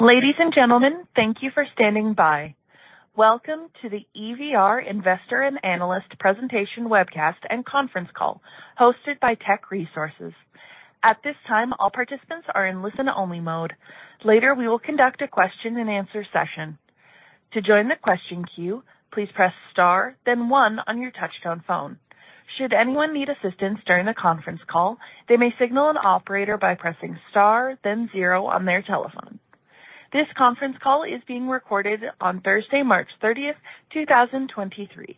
Ladies and gentlemen, thank you for standing by. Welcome to the EVR Investor and Analyst Presentation Webcast and conference call hosted by Teck Resources. At this time, all participants are in listen-only mode. Later, we will conduct a question-and-answer session. To join the question queue, please press Star one on your touchtone phone. Should anyone need assistance during the conference call, they may signal an operator by pressing Star 0 on their telephone. This conference call is being recorded on Thursday, March 30th, 2023.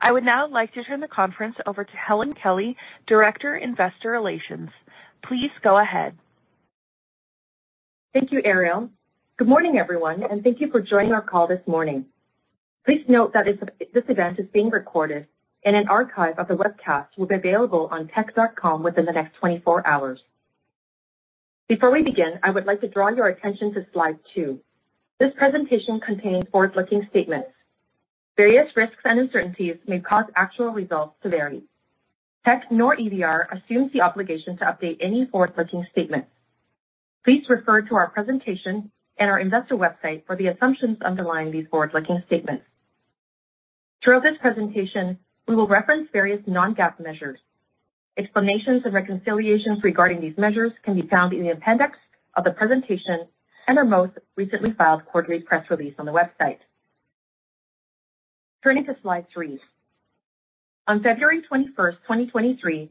I would now like to turn the conference over to Helen Kelly, Director, Investor Relations. Please go ahead. Thank you, Ariel. Good morning, everyone, thank you for joining our call this morning. Please note that this event is being recorded, an archive of the webcast will be available on teck.com within the next 24 hours. Before we begin, I would like to draw your attention to slide two. This presentation contains forward-looking statements. Various risks and uncertainties may cause actual results to vary. Teck nor EVR assumes the obligation to update any forward-looking statement. Please refer to our presentation, our investor website for the assumptions underlying these forward-looking statements. Throughout this presentation, we will reference various non-GAAP measures. Explanations, reconciliations regarding these measures can be found in the appendix of the presentation, our most recently filed quarterly press release on the website. Turning to slide three. On February 21st, 2023,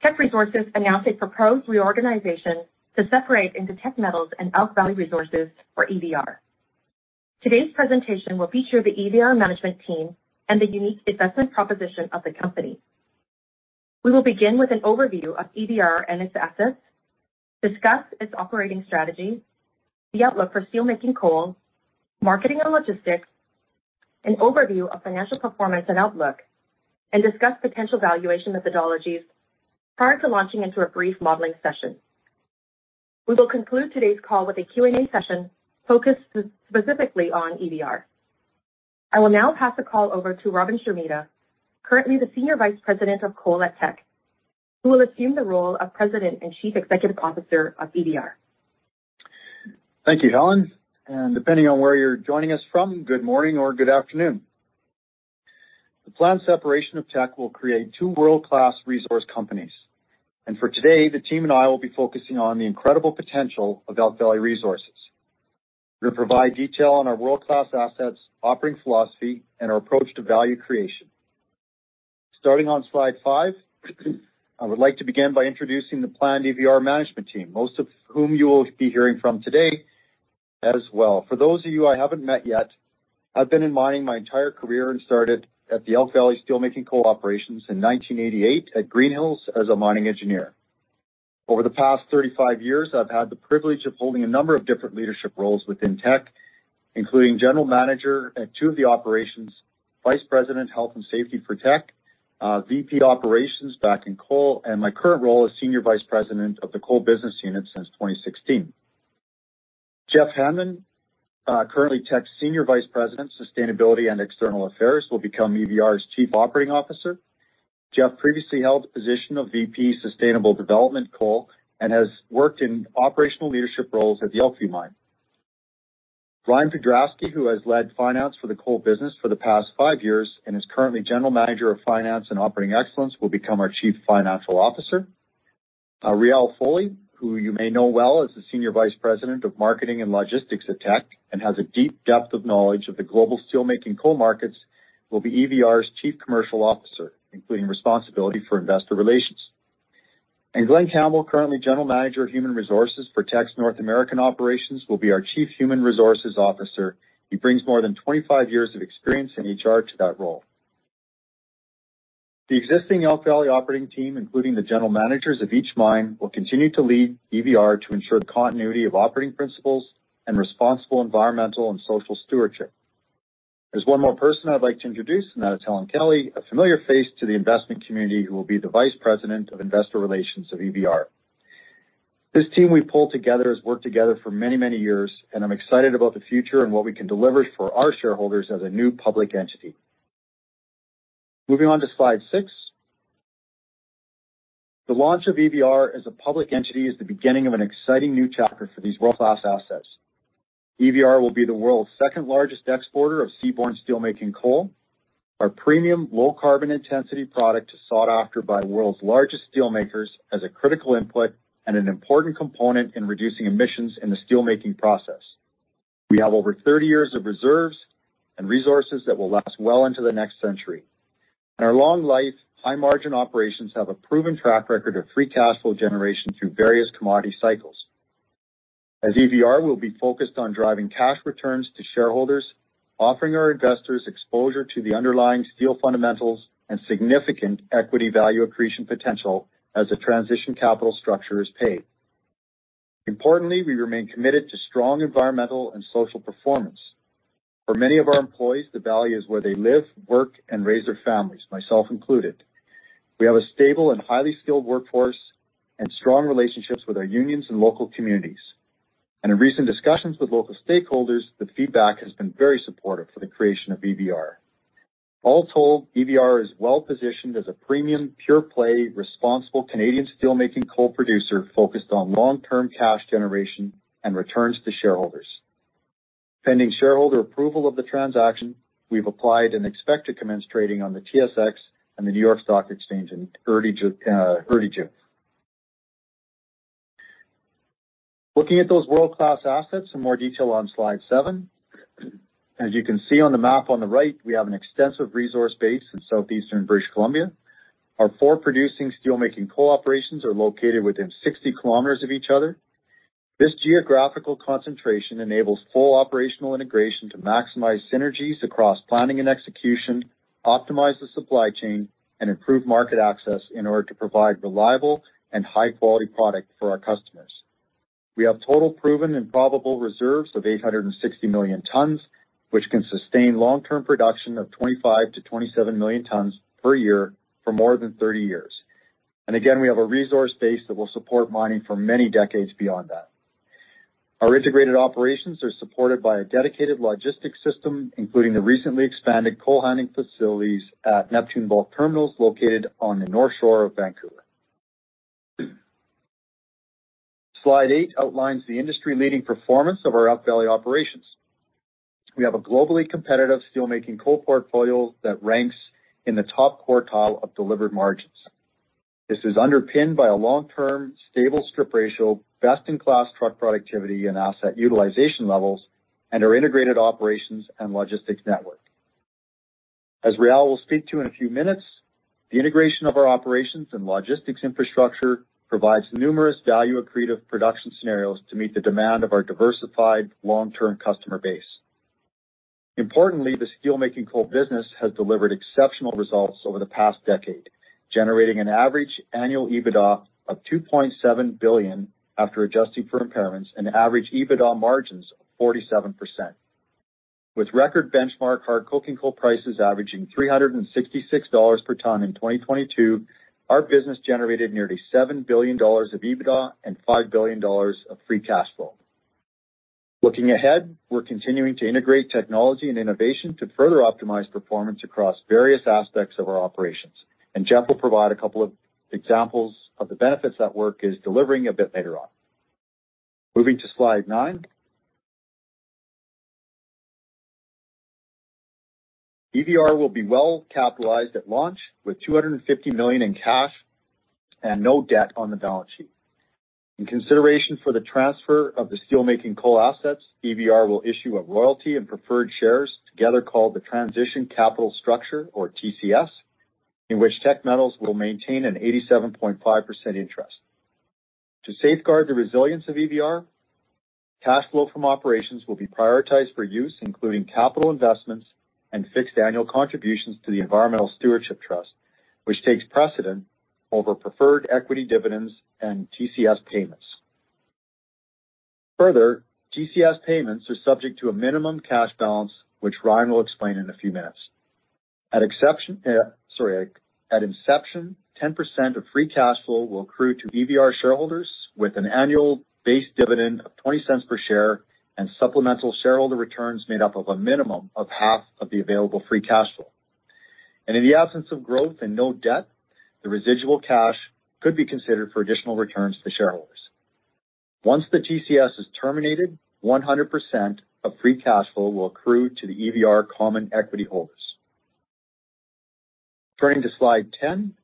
Teck Resources announced a proposed reorganization to separate into Teck Metals and Elk Valley Resources or EVR. Today's presentation will feature the EVR management team and the unique investment proposition of the company. We will begin with an overview of EVR and its assets, discuss its operating strategy, the outlook for steel making coal, marketing and logistics, an overview of financial performance and outlook, and discuss potential valuation methodologies prior to launching into a brief modeling session. We will conclude today's call with a Q&A session focused specifically on EVR. I will now pass the call over to Robin Sheremeta, currently the Senior Vice President of Coal at Teck, who will assume the role of President and Chief Executive Officer of EVR. Thank you, Helen. Depending on where you're joining us from, good morning or good afternoon. The planned separation of Teck will create two world-class resource companies. For today, the team and I will be focusing on the incredible potential of Elk Valley Resources. We'll provide detail on our world-class assets, operating philosophy, and our approach to value creation. Starting on slide five, I would like to begin by introducing the planned EVR management team, most of whom you will be hearing from today as well. For those of you I haven't met yet, I've been in mining my entire career and started at the Elk Valley Steelmaking Coal Operations in 1988 at Greenhills as a mining engineer. Over the past 35 years, I've had the privilege of holding a number of different leadership roles within Teck, including General Manager at two of the operations, Vice President, Health and Safety for Teck, VP, Operations back in coal, and my current role as Senior Vice President of the coal business unit since 2016. Jeff Gerard, currently Teck's Senior Vice President, Sustainability and External Affairs, will become EVR's Chief Operating Officer. Jeff previously held the position of VP, Sustainable Development Coal, and has worked in operational leadership roles at the Elkview Mine. Ryan Podrasky, who has led finance for the coal business for the past five years and is currently General Manager of Finance and Operating Excellence, will become our Chief Financial Officer. Réal Foley, who you may know well as the Senior Vice President of Marketing and Logistics at Teck and has a deep depth of knowledge of the global steelmaking coal markets, will be EVR's Chief Commercial Officer, including responsibility for investor relations. Glen Campbell, currently General Manager of Human Resources for Teck's North American Operations, will be our Chief Human Resources Officer. He brings more than 25 years of experience in HR to that role. The existing Elk Valley operating team, including the general managers of each mine, will continue to lead EVR to ensure the continuity of operating principles and responsible environmental and social stewardship. There's one more person I'd like to introduce, and that is Helen Kelly, a familiar face to the investment community who will be the Vice President of Investor Relations of EVR. This team we pulled together has worked together for many, many years. I'm excited about the future and what we can deliver for our shareholders as a new public entity. Moving on to slide six. The launch of EVR as a public entity is the beginning of an exciting new chapter for these world-class assets. EVR will be the world's second largest exporter of seaborne steelmaking coal. Our premium low carbon intensity product is sought after by world's largest steelmakers as a critical input and an important component in reducing emissions in the steelmaking process. We have over 30 years of reserves and resources that will last well into the next century. Our long-life, high-margin operations have a proven track record of free cash flow generation through various commodity cycles. As EVR, we'll be focused on driving cash returns to shareholders, offering our investors exposure to the underlying steel fundamentals and significant equity value accretion potential as the transition capital structure is paid. We remain committed to strong environmental and social performance. For many of our employees, the value is where they live, work, and raise their families, myself included. We have a stable and highly skilled workforce and strong relationships with our unions and local communities. In recent discussions with local stakeholders, the feedback has been very supportive for the creation of EVR. All told, EVR is well-positioned as a premium, pure-play, responsible Canadian steelmaking coal producer focused on long-term cash generation and returns to shareholders. Pending shareholder approval of the transaction, we've applied and expect to commence trading on the TSX and the New York Stock Exchange in early June. Looking at those world-class assets in more detail on slide seven. As you can see on the map on the right, we have an extensive resource base in Southeastern British Columbia. Our four producing steelmaking coal operations are located within 60 km of each other. This geographical concentration enables full operational integration to maximize synergies across planning and execution, optimize the supply chain, and improve market access in order to provide reliable and high-quality product for our customers. We have total proven and probable reserves of 860 million tons, which can sustain long-term production of 25-27 million tons per year for more than 30 years. Again, we have a resource base that will support mining for many decades beyond that. Our integrated operations are supported by a dedicated logistics system, including the recently expanded coal handling facilities at Neptune Bulk Terminals, located on the North Shore of Vancouver. Slide eight outlines the industry-leading performance of our Elk Valley operations. We have a globally competitive steelmaking coal portfolio that ranks in the top quartile of delivered margins. This is underpinned by a long-term, stable strip ratio, best-in-class truck productivity and asset utilization levels, and our integrated operations and logistics network. As Réal will speak to in a few minutes, the integration of our operations and logistics infrastructure provides numerous value accretive production scenarios to meet the demand of our diversified long-term customer base. Importantly, the steelmaking coal business has delivered exceptional results over the past decade, generating an average annual EBITDA of $2.7 billion after adjusting for impairments and average EBITDA margins of 47%. With record benchmark hard coking coal prices averaging $366 per ton in 2022, our business generated nearly $7 billion of EBITDA and $5 billion of free cash flow. Looking ahead, we're continuing to integrate technology and innovation to further optimize performance across various aspects of our operations. Jeff will provide a couple of examples of the benefits that work is delivering a bit later on. Moving to slide nine. EVR will be well-capitalized at launch with $250 million in cash and no debt on the balance sheet. In consideration for the transfer of the steelmaking coal assets, EVR will issue a royalty in preferred shares together called the transition capital structure or TCS, in which Teck Metals will maintain an 87.5% interest. To safeguard the resilience of EVR, cash flow from operations will be prioritized for use, including capital investments and fixed annual contributions to the Environmental Stewardship Trust, which takes precedent over preferred equity dividends and TCS payments. TCS payments are subject to a minimum cash balance, which Ryan will explain in a few minutes. At inception, 10% of free cash flow will accrue to EVR shareholders with an annual base dividend of $0.20 per share and supplemental shareholder returns made up of a minimum of half of the available free cash flow. In the absence of growth and no debt, the residual cash could be considered for additional returns to shareholders. Once the TCS is terminated, 100% of free cash flow will accrue to the EVR common equity holders. Turning to slide 10.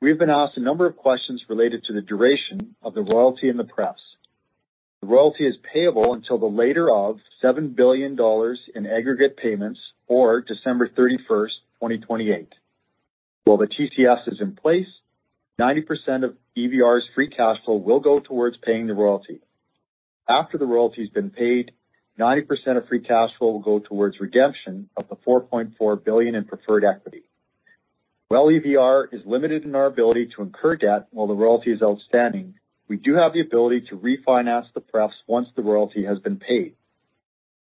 We've been asked a number of questions related to the duration of the royalty and the pref. The royalty is payable until the later of $7 billion in aggregate payments or December 31st, 2028. While the TCS is in place, 90% of EVR's free cash flow will go towards paying the royalty. After the royalty has been paid, 90% of free cash flow will go towards redemption of the $4.4 billion in preferred equity. While EVR is limited in our ability to incur debt while the royalty is outstanding, we do have the ability to refinance the pref once the royalty has been paid.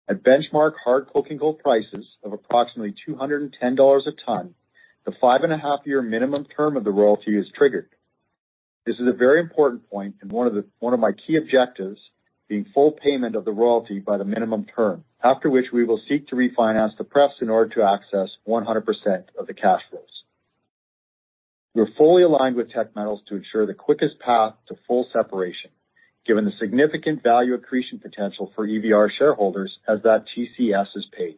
At benchmark hard coking coal prices of approximately $210 a ton, the 5.5-year minimum term of the royalty is triggered. This is a very important point and one of my key objectives, the full payment of the royalty by the minimum term, after which we will seek to refinance the pref in order to access 100% of the cash flows. We're fully aligned with Teck Metals to ensure the quickest path to full separation, given the significant value accretion potential for EVR shareholders as that TCS is paid.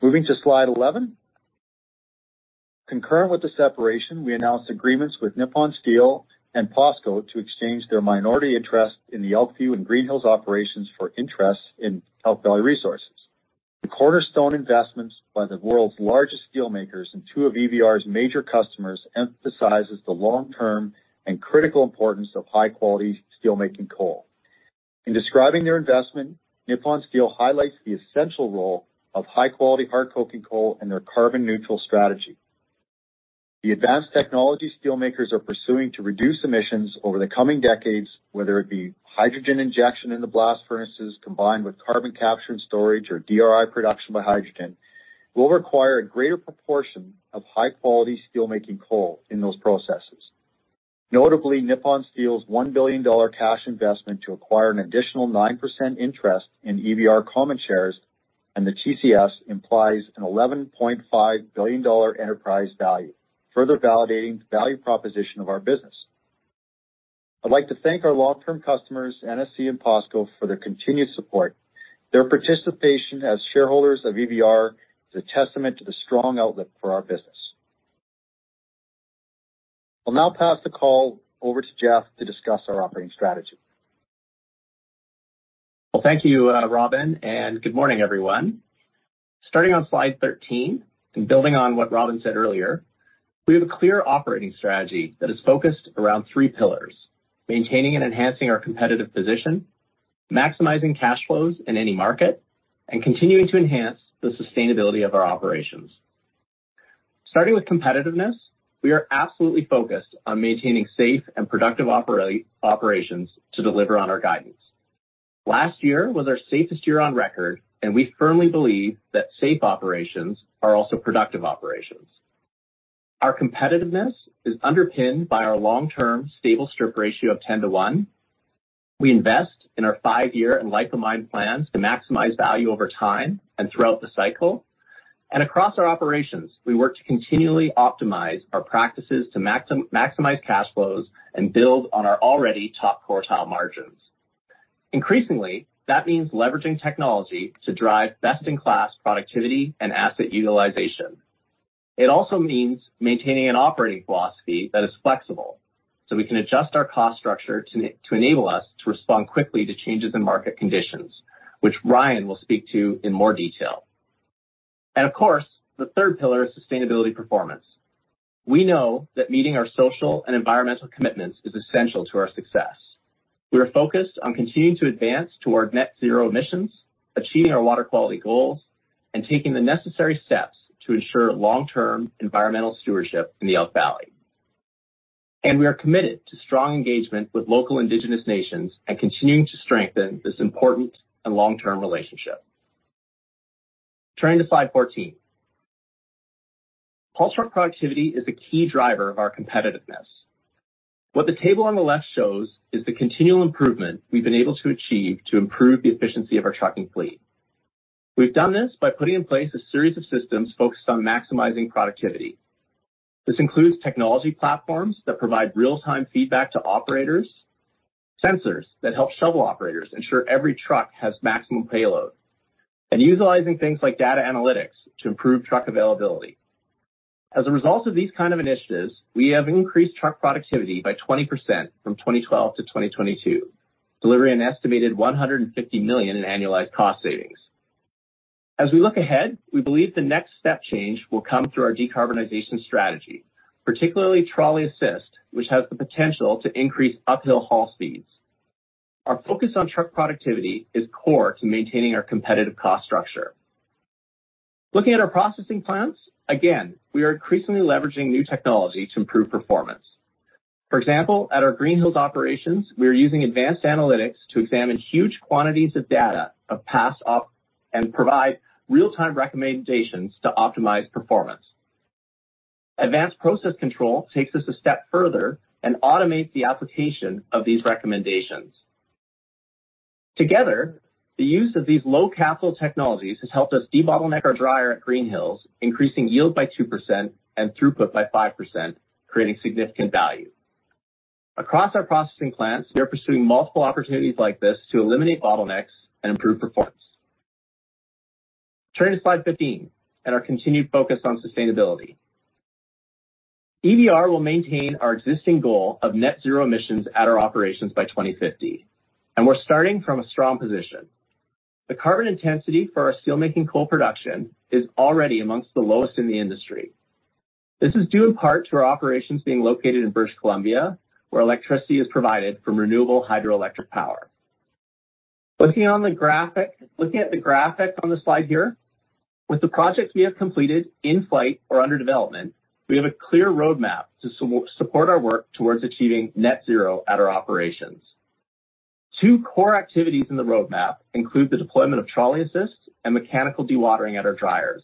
Moving to slide 11. Concurrent with the separation, we announced agreements with Nippon Steel and POSCO to exchange their minority interest in the Elkview and Greenhills operations for interest in Elk Valley Resources. The cornerstone investments by the world's largest steel makers and two of EVR's major customers emphasizes the long-term and critical importance of high-quality steelmaking coal. In describing their investment, Nippon Steel highlights the essential role of high-quality hard coking coal in their carbon neutral strategy. The advanced technology steelmakers are pursuing to reduce emissions over the coming decades, whether it be hydrogen injection in the blast furnaces combined with carbon capture and storage or DRI production by hydrogen, will require a greater proportion of high-quality steelmaking coal in those processes. Notably, Nippon Steel's $1 billion cash investment to acquire an additional 9% interest in EVR common shares and the TCS implies an $11.5 billion enterprise value, further validating the value proposition of our business. I'd like to thank our long-term customers, NSC and POSCO, for their continued support. Their participation as shareholders of EVR is a testament to the strong outlet for our business. I'll now pass the call over to Jeff to discuss our operating strategy. Well, thank you, Robin, good morning, everyone. Starting on slide 13 and building on what Robin said earlier, we have a clear operating strategy that is focused around three pillars: maintaining and enhancing our competitive position, maximizing cash flows in any market, and continuing to enhance the sustainability of our operations. Starting with competitiveness, we are absolutely focused on maintaining safe and productive operations to deliver on our guidance. Last year was our safest year on record, and we firmly believe that safe operations are also productive operations. Our competitiveness is underpinned by our long-term stable strip ratio of 10 to one. We invest in our five-year and life of mine plans to maximize value over time and throughout the cycle. Across our operations, we work to continually optimize our practices to maximize cash flows and build on our already top quartile margins. Increasingly, that means leveraging technology to drive best-in-class productivity and asset utilization. It also means maintaining an operating philosophy that is flexible, so we can adjust our cost structure to enable us to respond quickly to changes in market conditions, which Ryan will speak to in more detail. Of course, the third pillar is sustainability performance. We know that meeting our social and environmental commitments is essential to our success. We are focused on continuing to advance toward net zero emissions, achieving our water quality goals, and taking the necessary steps to ensure long-term environmental stewardship in the Elk Valley. We are committed to strong engagement with local indigenous nations and continuing to strengthen this important and long-term relationship. Turning to slide 14. Haul truck productivity is a key driver of our competitiveness. What the table on the left shows is the continual improvement we've been able to achieve to improve the efficiency of our trucking fleet. We've done this by putting in place a series of systems focused on maximizing productivity. This includes technology platforms that provide real-time feedback to operators, sensors that help shovel operators ensure every truck has maximum payload, and utilizing things like data analytics to improve truck availability. As a result of these kind of initiatives, we have increased truck productivity by 20% from 2012 to 2022, delivering an estimated $150 million in annualized cost savings. As we look ahead, we believe the next step change will come through our decarbonization strategy, particularly trolley assist, which has the potential to increase uphill haul speeds. Our focus on truck productivity is core to maintaining our competitive cost structure. Looking at our processing plants, again, we are increasingly leveraging new technology to improve performance. For example, at our Greenhills operations, we are using advanced analytics to examine huge quantities of data of past and provide real-time recommendations to optimize performance. Advanced Process Control takes us a step further and automates the application of these recommendations. Together, the use of these low-capital technologies has helped us debottleneck our dryer at Greenhills, increasing yield by 2% and throughput by 5%, creating significant value. Across our processing plants, we are pursuing multiple opportunities like this to eliminate bottlenecks and improve performance. Turning to slide 15 and our continued focus on sustainability. EVR will maintain our existing goal of net zero emissions at our operations by 2050, and we're starting from a strong position. The carbon intensity for our steelmaking coal production is already amongst the lowest in the industry. This is due in part to our operations being located in British Columbia, where electricity is provided from renewable hydroelectric power. Looking at the graphic on the slide here, with the projects we have completed in flight or under development, we have a clear roadmap to support our work towards achieving net zero at our operations. Two core activities in the roadmap include the deployment of trolley assists and mechanical dewatering at our dryers.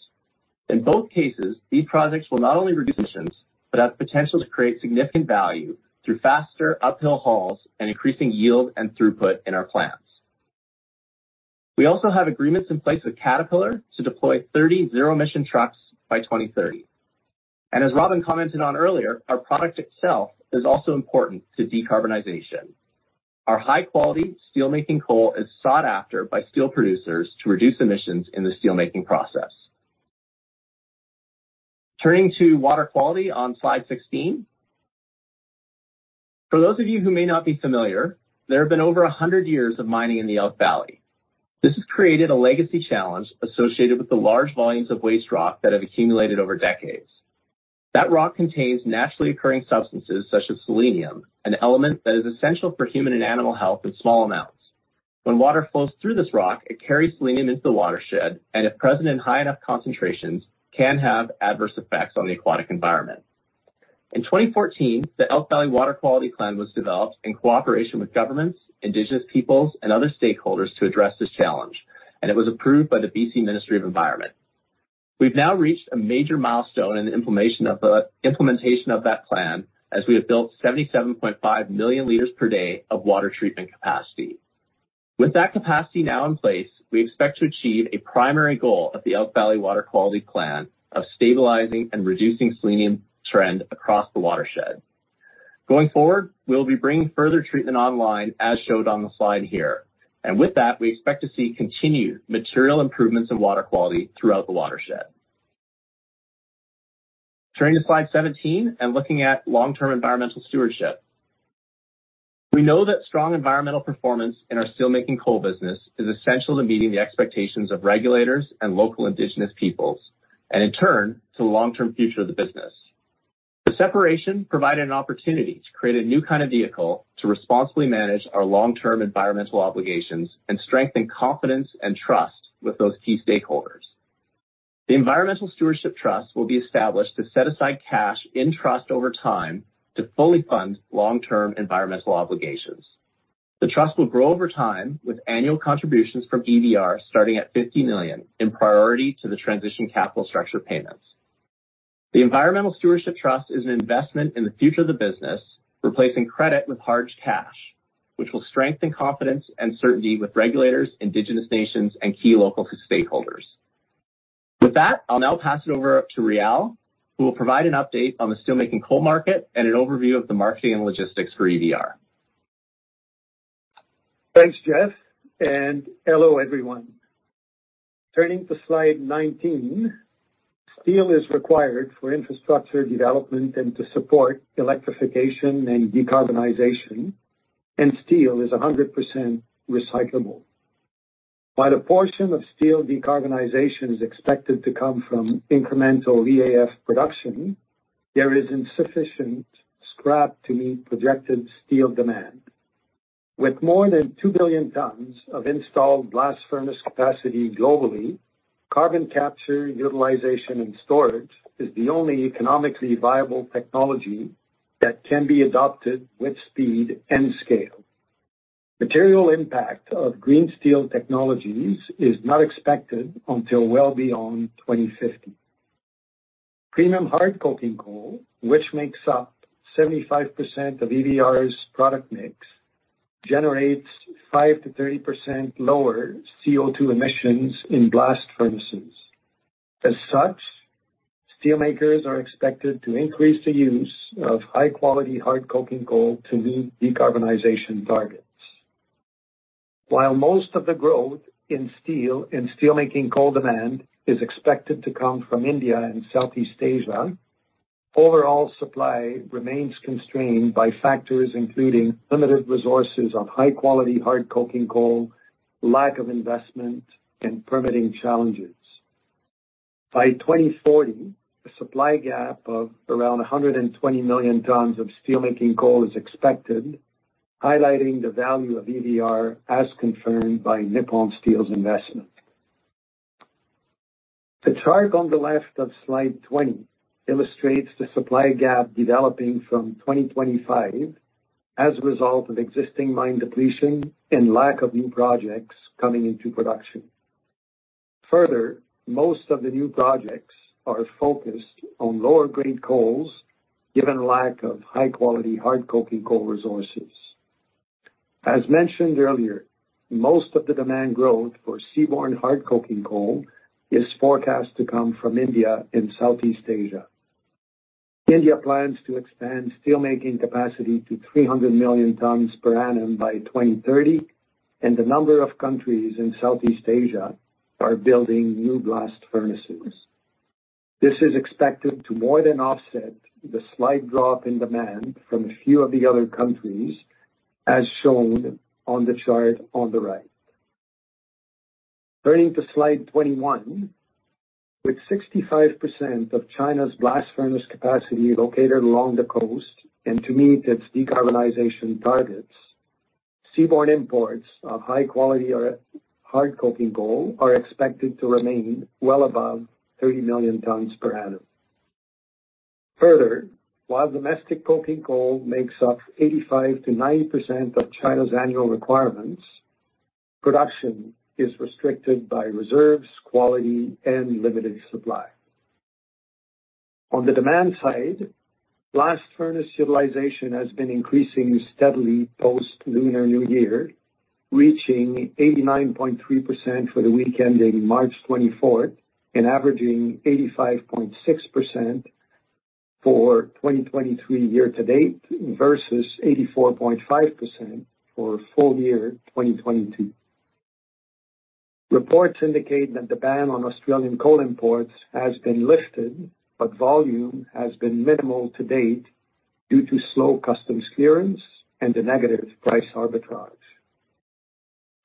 In both cases, these projects will not only reduce emissions, but have potential to create significant value through faster uphill hauls and increasing yield and throughput in our plants. We also have agreements in place with Caterpillar to deploy 30 zero-emission trucks by 2030. As Robin commented on earlier, our product itself is also important to decarbonization. Our high-quality steelmaking coal is sought after by steel producers to reduce emissions in the steelmaking process. Turning to water quality on slide 16. For those of you who may not be familiar, there have been over 100 years of mining in the Elk Valley. This has created a legacy challenge associated with the large volumes of waste rock that have accumulated over decades. That rock contains naturally occurring substances such as selenium, an element that is essential for human and animal health in small amounts. When water flows through this rock, it carries selenium into the watershed, and if present in high enough concentrations, can have adverse effects on the aquatic environment. In 2014, the Elk Valley Water Quality Plan was developed in cooperation with governments, indigenous peoples, and other stakeholders to address this challenge, and it was approved by the BC Ministry of Environment. We've now reached a major milestone in the implementation of that plan as we have built 77.5 million liters per day of water treatment capacity. With that capacity now in place, we expect to achieve a primary goal of the Elk Valley Water Quality Plan of stabilizing and reducing selenium trend across the watershed. Going forward, we will be bringing further treatment online as showed on the slide here. With that, we expect to see continued material improvements in water quality throughout the watershed. Turning to slide 17 and looking at long-term environmental stewardship. We know that strong environmental performance in our steelmaking coal business is essential to meeting the expectations of regulators and local indigenous peoples, and in turn, to the long-term future of the business. The separation provided an opportunity to create a new kind of vehicle to responsibly manage our long-term environmental obligations and strengthen confidence and trust with those key stakeholders. The Environmental Stewardship Trust will be established to set aside cash in trust over time to fully fund long-term environmental obligations. The trust will grow over time with annual contributions from EVR starting at $50 million in priority to the transition capital structure payments. The Environmental Stewardship Trust is an investment in the future of the business, replacing credit with hard cash, which will strengthen confidence and certainty with regulators, indigenous nations, and key local stakeholders. With that, I'll now pass it over to Réal, who will provide an update on the steelmaking coal market and an overview of the marketing and logistics for EVR. Thanks, Jeff, and hello, everyone. Turning to slide 19. Steel is required for infrastructure development and to support electrification and decarbonization, and steel is 100% recyclable. While the portion of steel decarbonization is expected to come from incremental EAF production, there is insufficient scrap to meet projected steel demand. With more than 2 billion tons of installed blast furnace capacity globally, carbon capture, utilization, and storage is the only economically viable technology that can be adopted with speed and scale. Material impact of green steel technologies is not expected until well beyond 2050. Premium hard coking coal, which makes up 75% of EVR's product mix, generates 5%-30% lower CO2 emissions in blast furnaces. As such, steel makers are expected to increase the use of high-quality hard coking coal to meet decarbonization targets. While most of the growth in steel and steelmaking coal demand is expected to come from India and Southeast Asia, overall supply remains constrained by factors including limited resources of high-quality hard coking coal, lack of investment, and permitting challenges. By 2040, a supply gap of around 120 million tons of steelmaking coal is expected, highlighting the value of EVR as confirmed by Nippon Steel's investment. The chart on the left of slide 20 illustrates the supply gap developing from 2025 as a result of existing mine depletion and lack of new projects coming into production. Further, most of the new projects are focused on lower-grade coals, given lack of high-quality hard coking coal resources. As mentioned earlier, most of the demand growth for seaborne hard coking coal is forecast to come from India and Southeast Asia. India plans to expand steelmaking capacity to 300 million tons per annum by 2030, and a number of countries in Southeast Asia are building new blast furnaces. This is expected to more than offset the slight drop in demand from a few of the other countries, as shown on the chart on the right. Turning to slide 21. With 65% of China's blast furnace capacity located along the coast, and to meet its decarbonization targets, seaborne imports of high quality or hard coking coal are expected to remain well above 30 million tons per annum. Further, while domestic coking coal makes up 85%-90% of China's annual requirements, production is restricted by reserves, quality, and limited supply. On the demand side, blast furnace utilization has been increasing steadily post-lunar New Year, reaching 89.3% for the week ending March 24th and averaging 85.6% for 2023 year to date versus 84.5% for full year 2022. Reports indicate that the ban on Australian coal imports has been lifted, but volume has been minimal to date due to slow customs clearance and a negative price arbitrage.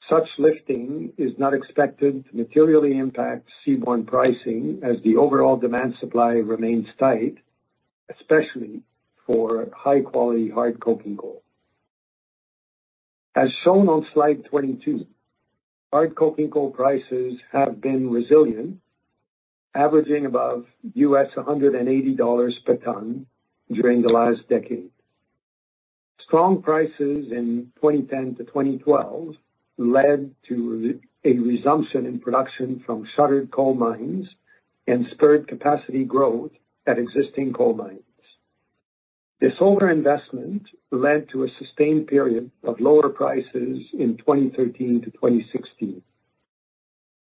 Such lifting is not expected to materially impact seaborne pricing as the overall demand supply remains tight, especially for high-quality hard coking coal. As shown on slide 22, hard coking coal prices have been resilient, averaging above $180 per ton during the last decade. Strong prices in 2010-2012 led to a resumption in production from shuttered coal mines and spurred capacity growth at existing coal mines. This overinvestment led to a sustained period of lower prices in 2013 to 2016.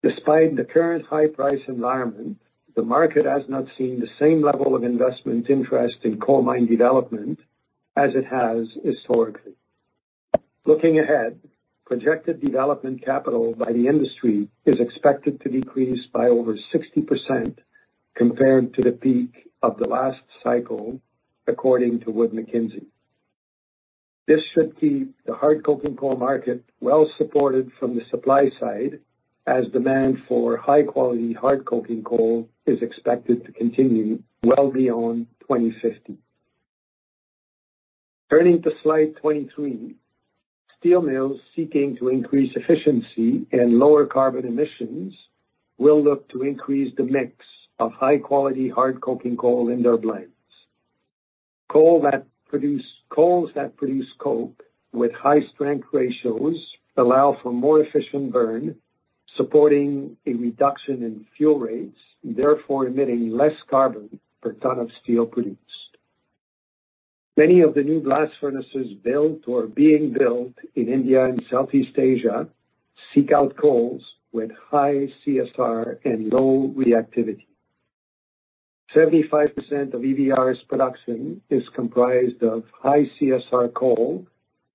Despite the current high price environment, the market has not seen the same level of investment interest in coal mine development as it has historically. Looking ahead, projected development capital by the industry is expected to decrease by over 60% compared to the peak of the last cycle, according to Wood Mackenzie. This should keep the hard coking coal market well supported from the supply side as demand for high quality hard coking coal is expected to continue well beyond 2050. Turning to slide 23. Steel mills seeking to increase efficiency and lower carbon emissions will look to increase the mix of high quality hard coking coal in their blends. Coals that produce coke with high strength ratios allow for more efficient burn, supporting a reduction in fuel rates, therefore emitting less carbon per ton of steel produced. Many of the new blast furnaces built or being built in India and Southeast Asia seek out coals with high CSR and low reactivity. 75% of EVR's production is comprised of high CSR coal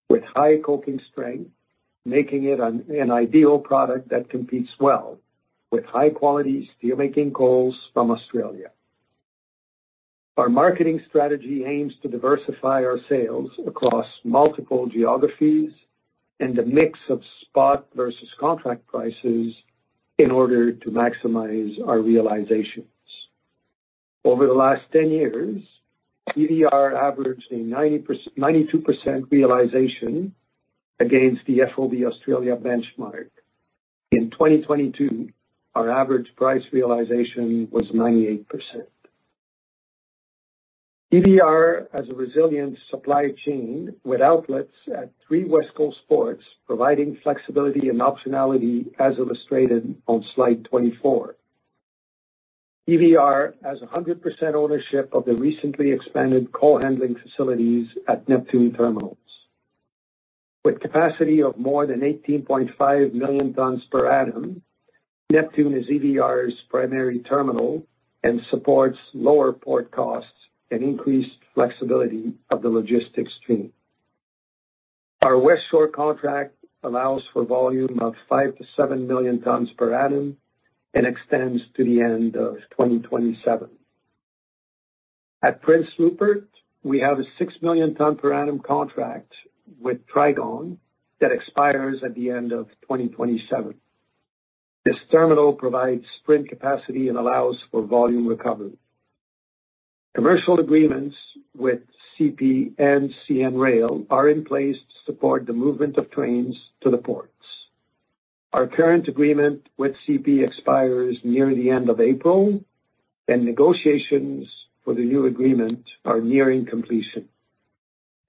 with high coking strength, making it an ideal product that competes well with high quality steelmaking coals from Australia. Our marketing strategy aims to diversify our sales across multiple geographies and a mix of spot versus contract prices in order to maximize our realizations. Over the last 10 years, EVR averaged a 92% realization against the FOB Australia benchmark. In 2022, our average price realization was 98%. EVR has a resilient supply chain with outlets at three West Coast ports, providing flexibility and optionality as illustrated on slide 24. EVR has 100% ownership of the recently expanded coal handling facilities at Neptune Terminals. With capacity of more than 18.5 million tons per annum, Neptune is EVR's primary terminal and supports lower port costs and increased flexibility of the logistics stream. Our Westshore contract allows for volume of 5-7 million tons per annum and extends to the end of 2027. At Prince Rupert, we have a 6 million ton per annum contract with Trigon that expires at the end of 2027. This terminal provides sprint capacity and allows for volume recovery. Commercial agreements with CP and CN Rail are in place to support the movement of trains to the ports. Our current agreement with CP expires near the end of April, and negotiations for the new agreement are nearing completion.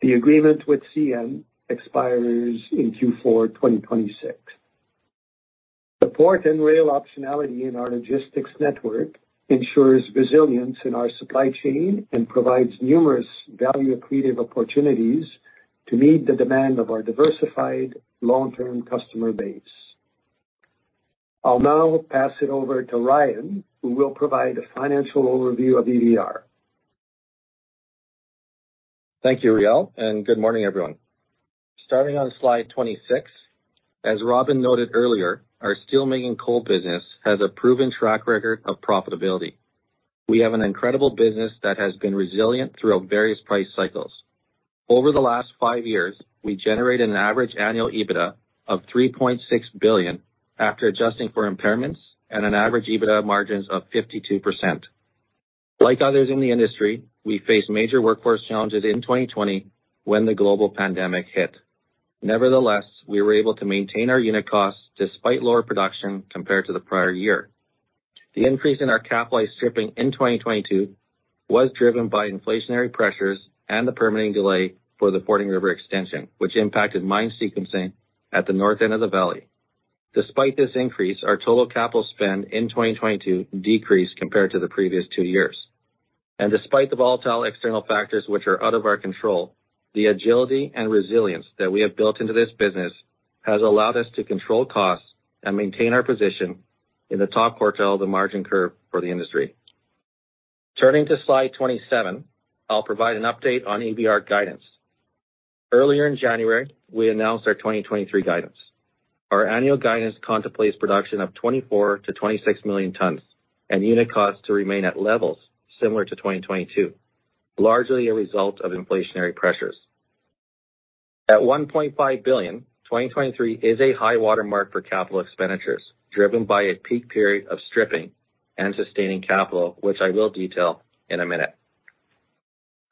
The agreement with CN expires in Q4 2026. The port and rail optionality in our logistics network ensures resilience in our supply chain and provides numerous value accretive opportunities to meet the demand of our diversified long-term customer base. I'll now pass it over to Ryan, who will provide a financial overview of EVR. Thank you, Réal. Good morning, everyone. Starting on slide 26, as Robin noted earlier, our steelmaking coal business has a proven track record of profitability. We have an incredible business that has been resilient throughout various price cycles. Over the last five years, we generated an average annual EBITDA of $3.6 billion after adjusting for impairments and an average EBITDA margins of 52%. Like others in the industry, we faced major workforce challenges in 2020 when the global pandemic hit. Nevertheless, we were able to maintain our unit costs despite lower production compared to the prior year. The increase in our capitalized stripping in 2022 was driven by inflationary pressures and the permitting delay for the Fording River extension, which impacted mine sequencing at the north end of the valley. Despite this increase, our total capital spend in 2022 decreased compared to the previous two years. Despite the volatile external factors which are out of our control, the agility and resilience that we have built into this business has allowed us to control costs and maintain our position in the top quartile of the margin curve for the industry. Turning to slide 27, I'll provide an update on EVR guidance. Earlier in January, we announced our 2023 guidance. Our annual guidance contemplates production of 24-26 million tons and unit costs to remain at levels similar to 2022, largely a result of inflationary pressures. At $1.5 billion, 2023 is a high watermark for capital expenditures, driven by a peak period of stripping and sustaining capital, which I will detail in a minute.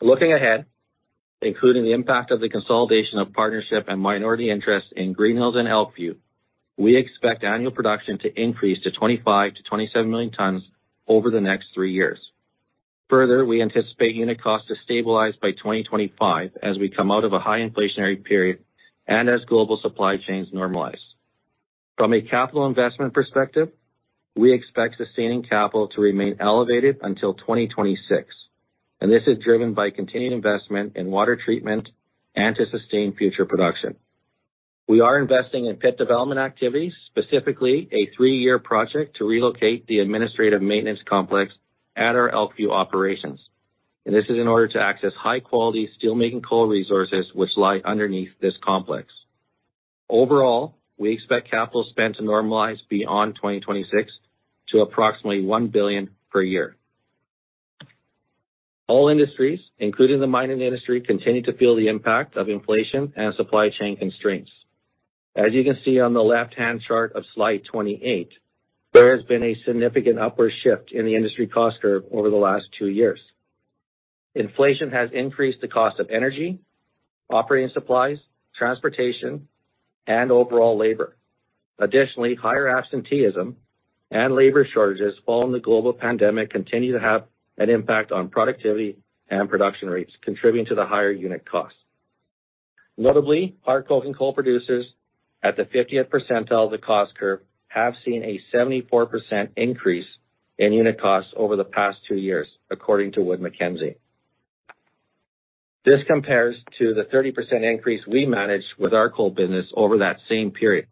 Looking ahead, including the impact of the consolidation of partnership and minority interest in Greenhills and Elkview, we expect annual production to increase to 25 million-27 million tons over the next three years. We anticipate unit cost to stabilize by 2025 as we come out of a high inflationary period and as global supply chains normalize. From a capital investment perspective, we expect sustaining capital to remain elevated until 2026. This is driven by continued investment in water treatment and to sustain future production. We are investing in pit development activities, specifically a 3-year project to relocate the administrative maintenance complex at our Elkview operations. This is in order to access high-quality steelmaking coal resources which lie underneath this complex. Overall, we expect capital spend to normalize beyond 2026 to approximately $1 billion per year. All industries, including the mining industry, continue to feel the impact of inflation and supply chain constraints. As you can see on the left-hand chart of slide 28, there has been a significant upward shift in the industry cost curve over the last two years. Inflation has increased the cost of energy, operating supplies, transportation, and overall labor. Additionally, higher absenteeism and labor shortages following the global pandemic continue to have an impact on productivity and production rates, contributing to the higher unit costs. Notably, hard coking coal producers at the 50th percentile of the cost curve have seen a 74% increase in unit costs over the past two years, according to Wood Mackenzie. This compares to the 30% increase we managed with our coal business over that same period.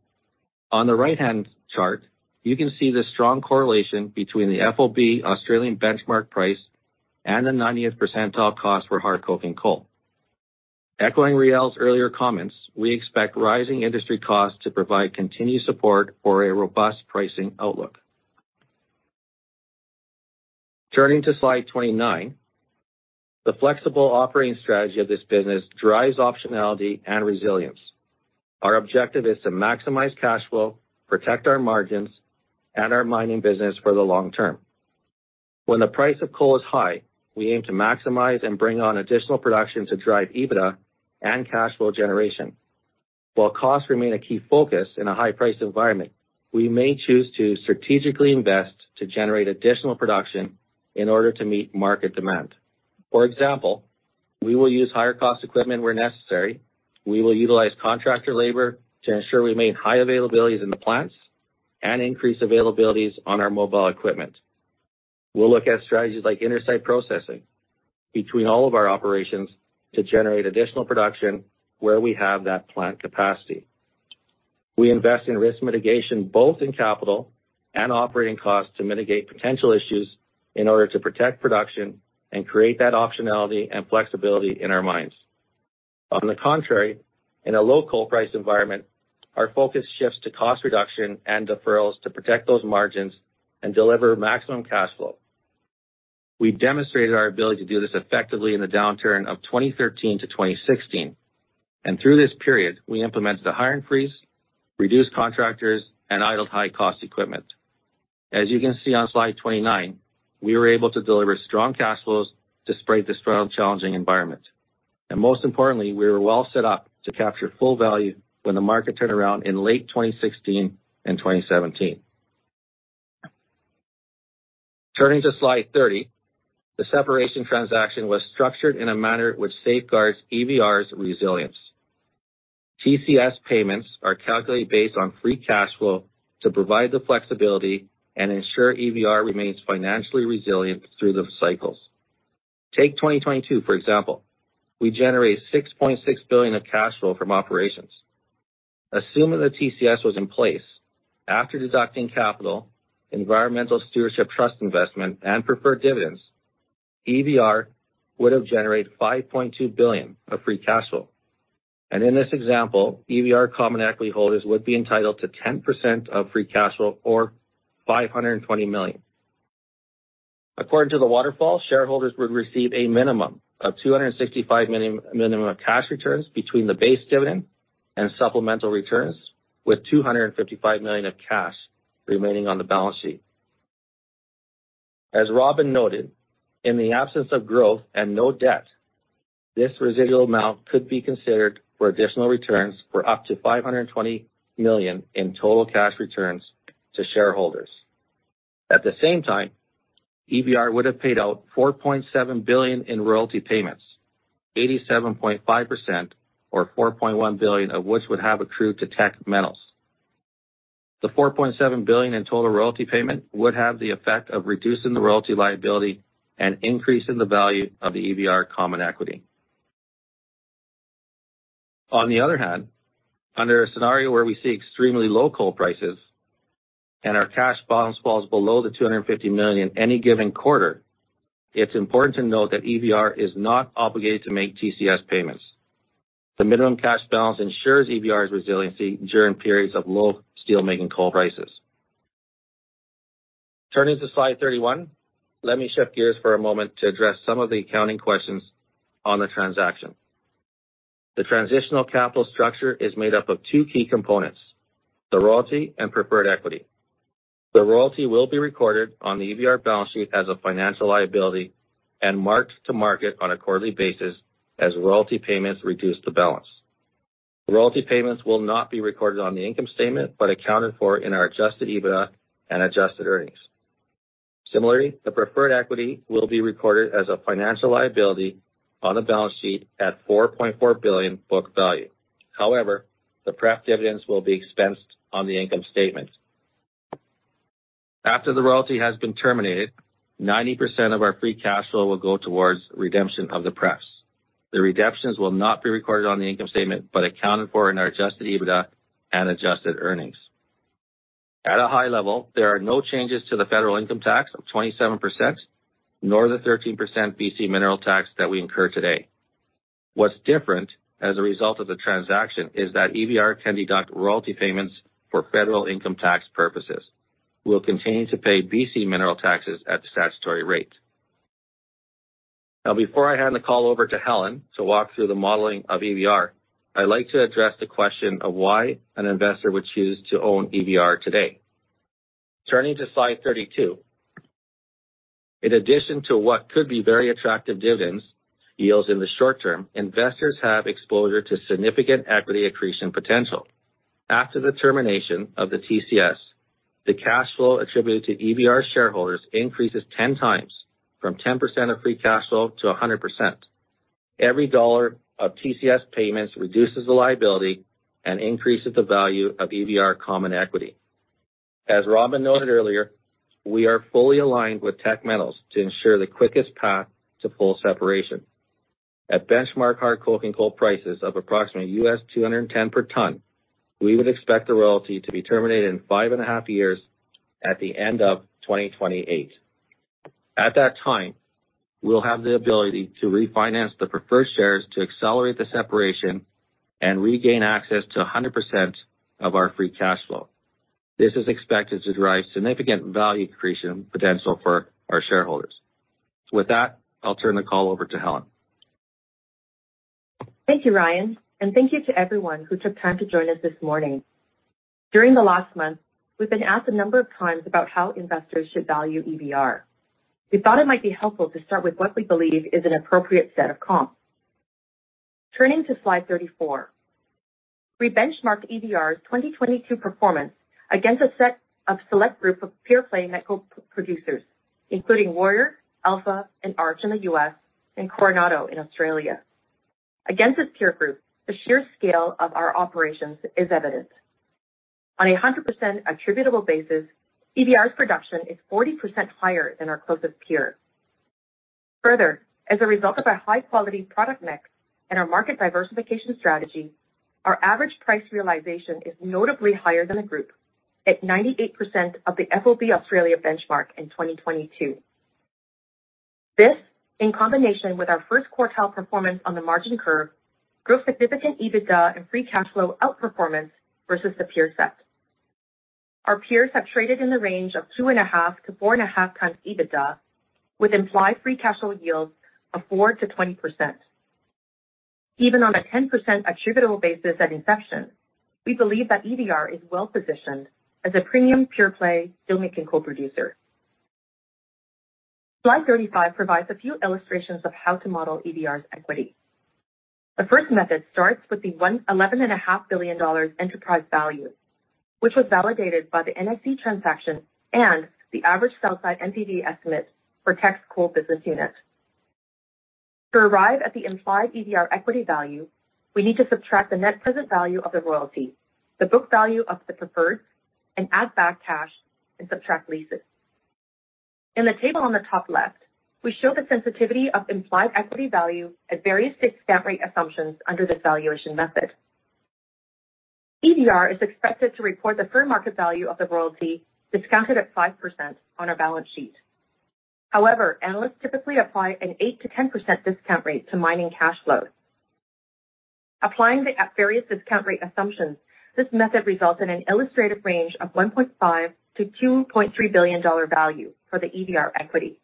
On the right-hand chart, you can see the strong correlation between the FOB Australia benchmark price and the 90th percentile cost for hard coking coal. Echoing Réal's earlier comments, we expect rising industry costs to provide continued support for a robust pricing outlook. Turning to slide 29, the flexible operating strategy of this business drives optionality and resilience. Our objective is to maximize cash flow, protect our margins and our mining business for the long term. When the price of coal is high, we aim to maximize and bring on additional production to drive EBITDA and cash flow generation. While costs remain a key focus in a high-price environment, we may choose to strategically invest to generate additional production in order to meet market demand. For example, we will use higher cost equipment where necessary. We will utilize contractor labor to ensure we maintain high availabilities in the plants and increase availabilities on our mobile equipment. We'll look at strategies like inter-site processing between all of our operations to generate additional production where we have that plant capacity. We invest in risk mitigation, both in capital and operating costs, to mitigate potential issues in order to protect production and create that optionality and flexibility in our minds. On the contrary, in a low coal price environment, our focus shifts to cost reduction and deferrals to protect those margins and deliver maximum cash flow. We demonstrated our ability to do this effectively in the downturn of 2013 to 2016. Through this period, we implemented a hire freeze, reduced contractors, and idled high-cost equipment. As you can see on slide 29, we were able to deliver strong cash flows despite this strong challenging environment. Most importantly, we were well set up to capture full value when the market turned around in late 2016 and 2017. Turning to slide 30, the separation transaction was structured in a manner which safeguards EVR's resilience. TCS payments are calculated based on free cash flow to provide the flexibility and ensure EVR remains financially resilient through the cycles. Take 2022, for example. We generate $6.6 billion of cash flow from operations. Assume that the TCS was in place. After deducting capital, Environmental Stewardship Trust investment, and preferred dividends, EVR would have generated $5.2 billion of free cash flow. In this example, EVR common equity holders would be entitled to 10% of free cash flow or $520 million. According to the waterfall, shareholders would receive a minimum of $265 million of cash returns between the base dividend and supplemental returns, with $255 million of cash remaining on the balance sheet. As Robin noted, in the absence of growth and no debt, this residual amount could be considered for additional returns for up to $520 million in total cash returns to shareholders. At the same time, EVR would have paid out $4.7 billion in royalty payments, 87.5% or $4.1 billion of which would have accrued to Teck Metals. The $4.7 billion in total royalty payment would have the effect of reducing the royalty liability and increasing the value of the EVR common equity. Under a scenario where we see extremely low coal prices and our cash balance falls below $250 million any given quarter, it's important to note that EVR is not obligated to make TCS payments. The minimum cash balance ensures EVR's resiliency during periods of low steelmaking coal prices. Turning to slide 31, let me shift gears for a moment to address some of the accounting questions on the transaction. The transitional capital structure is made up of two key components, the royalty and preferred equity. The royalty will be recorded on the EVR balance sheet as a financial liability and marked to market on a quarterly basis as royalty payments reduce the balance. The royalty payments will not be recorded on the income statement, but accounted for in our adjusted EBITDA and adjusted earnings. Similarly, the preferred equity will be recorded as a financial liability on the balance sheet at $4.4 billion book value. However, the pref dividends will be expensed on the income statement. After the royalty has been terminated, 90% of our free cash flow will go towards redemption of the pref. The redemptions will not be recorded on the income statement, but accounted for in our adjusted EBITDA and adjusted earnings. At a high level, there are no changes to the federal income tax of 27%, nor the 13% BC mineral tax that we incur today. What's different as a result of the transaction is that EVR can deduct royalty payments for federal income tax purposes. We'll continue to pay BC mineral taxes at the statutory rate. Before I hand the call over to Helen to walk through the modeling of EVR, I'd like to address the question of why an investor would choose to own EVR today. Turning to slide 32. In addition to what could be very attractive dividends yields in the short term, investors have exposure to significant equity accretion potential. After the termination of the TCS, the cash flow attributed to EVR shareholders increases 10 times from 10% of free cash flow to 100%. Every $1 of TCS payments reduces the liability and increases the value of EVR common equity. As Robin noted earlier, we are fully aligned with Teck Metals to ensure the quickest path to full separation. At benchmark hard coking coal prices of approximately $210 per ton, we would expect the royalty to be terminated in five and a half years at the end of 2028. At that time, we'll have the ability to refinance the preferred shares to accelerate the separation and regain access to 100% of our free cash flow. This is expected to drive significant value accretion potential for our shareholders. With that, I'll turn the call over to Helen. Thank you, Ryan. Thank you to everyone who took time to join us this morning. During the last month, we've been asked a number of times about how investors should value EVR. We thought it might be helpful to start with what we believe is an appropriate set of comps. Turning to slide 34. We benchmarked EVR's 2022 performance against a set of select group of pure-play met coal producers, including Warrior, Alpha, and Arch in the U.S., and Coronado in Australia. Against this peer group, the sheer scale of our operations is evident. On a 100% attributable basis, EVR's production is 40% higher than our closest peer. Further, as a result of our high-quality product mix and our market diversification strategy, our average price realization is notably higher than the group at 98% of the FOB Australia benchmark in 2022. This, in combination with our first quartile performance on the margin curve, drove significant EBITDA and free cash flow outperformance versus the peer set. Our peers have traded in the range of 2.5 to 4.5x EBITDA, with implied free cash flow yields of 4%-20%. Even on a 10% attributable basis at inception, we believe that EVR is well-positioned as a premium pure-play coking coal producer. Slide 35 provides a few illustrations of how to model EVR's equity. The first method starts with the $11.5 billion enterprise value, which was validated by the NSC transaction and the average sell-side NPV estimate for Teck's coal business unit. To arrive at the implied EVR equity value, we need to subtract the net present value of the royalty, the book value of the preferred, and add back cash and subtract leases. In the table on the top left, we show the sensitivity of implied equity value at various discount rate assumptions under this valuation method. EVR is expected to report the fair market value of the royalty discounted at 5% on our balance sheet. However, analysts typically apply an 8%-10% discount rate to mining cash flows. Applying the various discount rate assumptions, this method results in an illustrative range of $1.5 billion-$2.3 billion value for the EVR equity.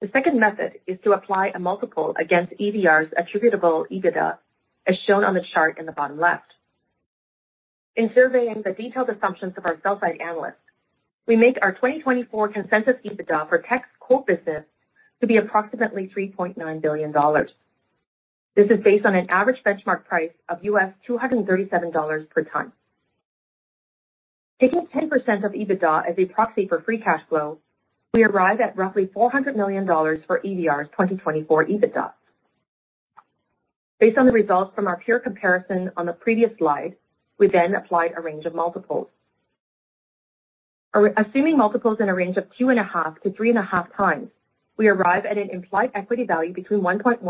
The second method is to apply a multiple against EVR's attributable EBITDA, as shown on the chart in the bottom left. In surveying the detailed assumptions of our sell side analysts, we make our 2024 consensus EBITDA for Teck's coal business to be approximately $3.9 billion. This is based on an average benchmark price of $237 per ton. Taking 10% of EBITDA as a proxy for free cash flow, we arrive at roughly $400 million for EVR's 2024 EBITDA. Based on the results from our peer comparison on the previous slide, we then applied a range of multiples. Assuming multiples in a range of two.5x-3.5x, we arrive at an implied equity value between $1.1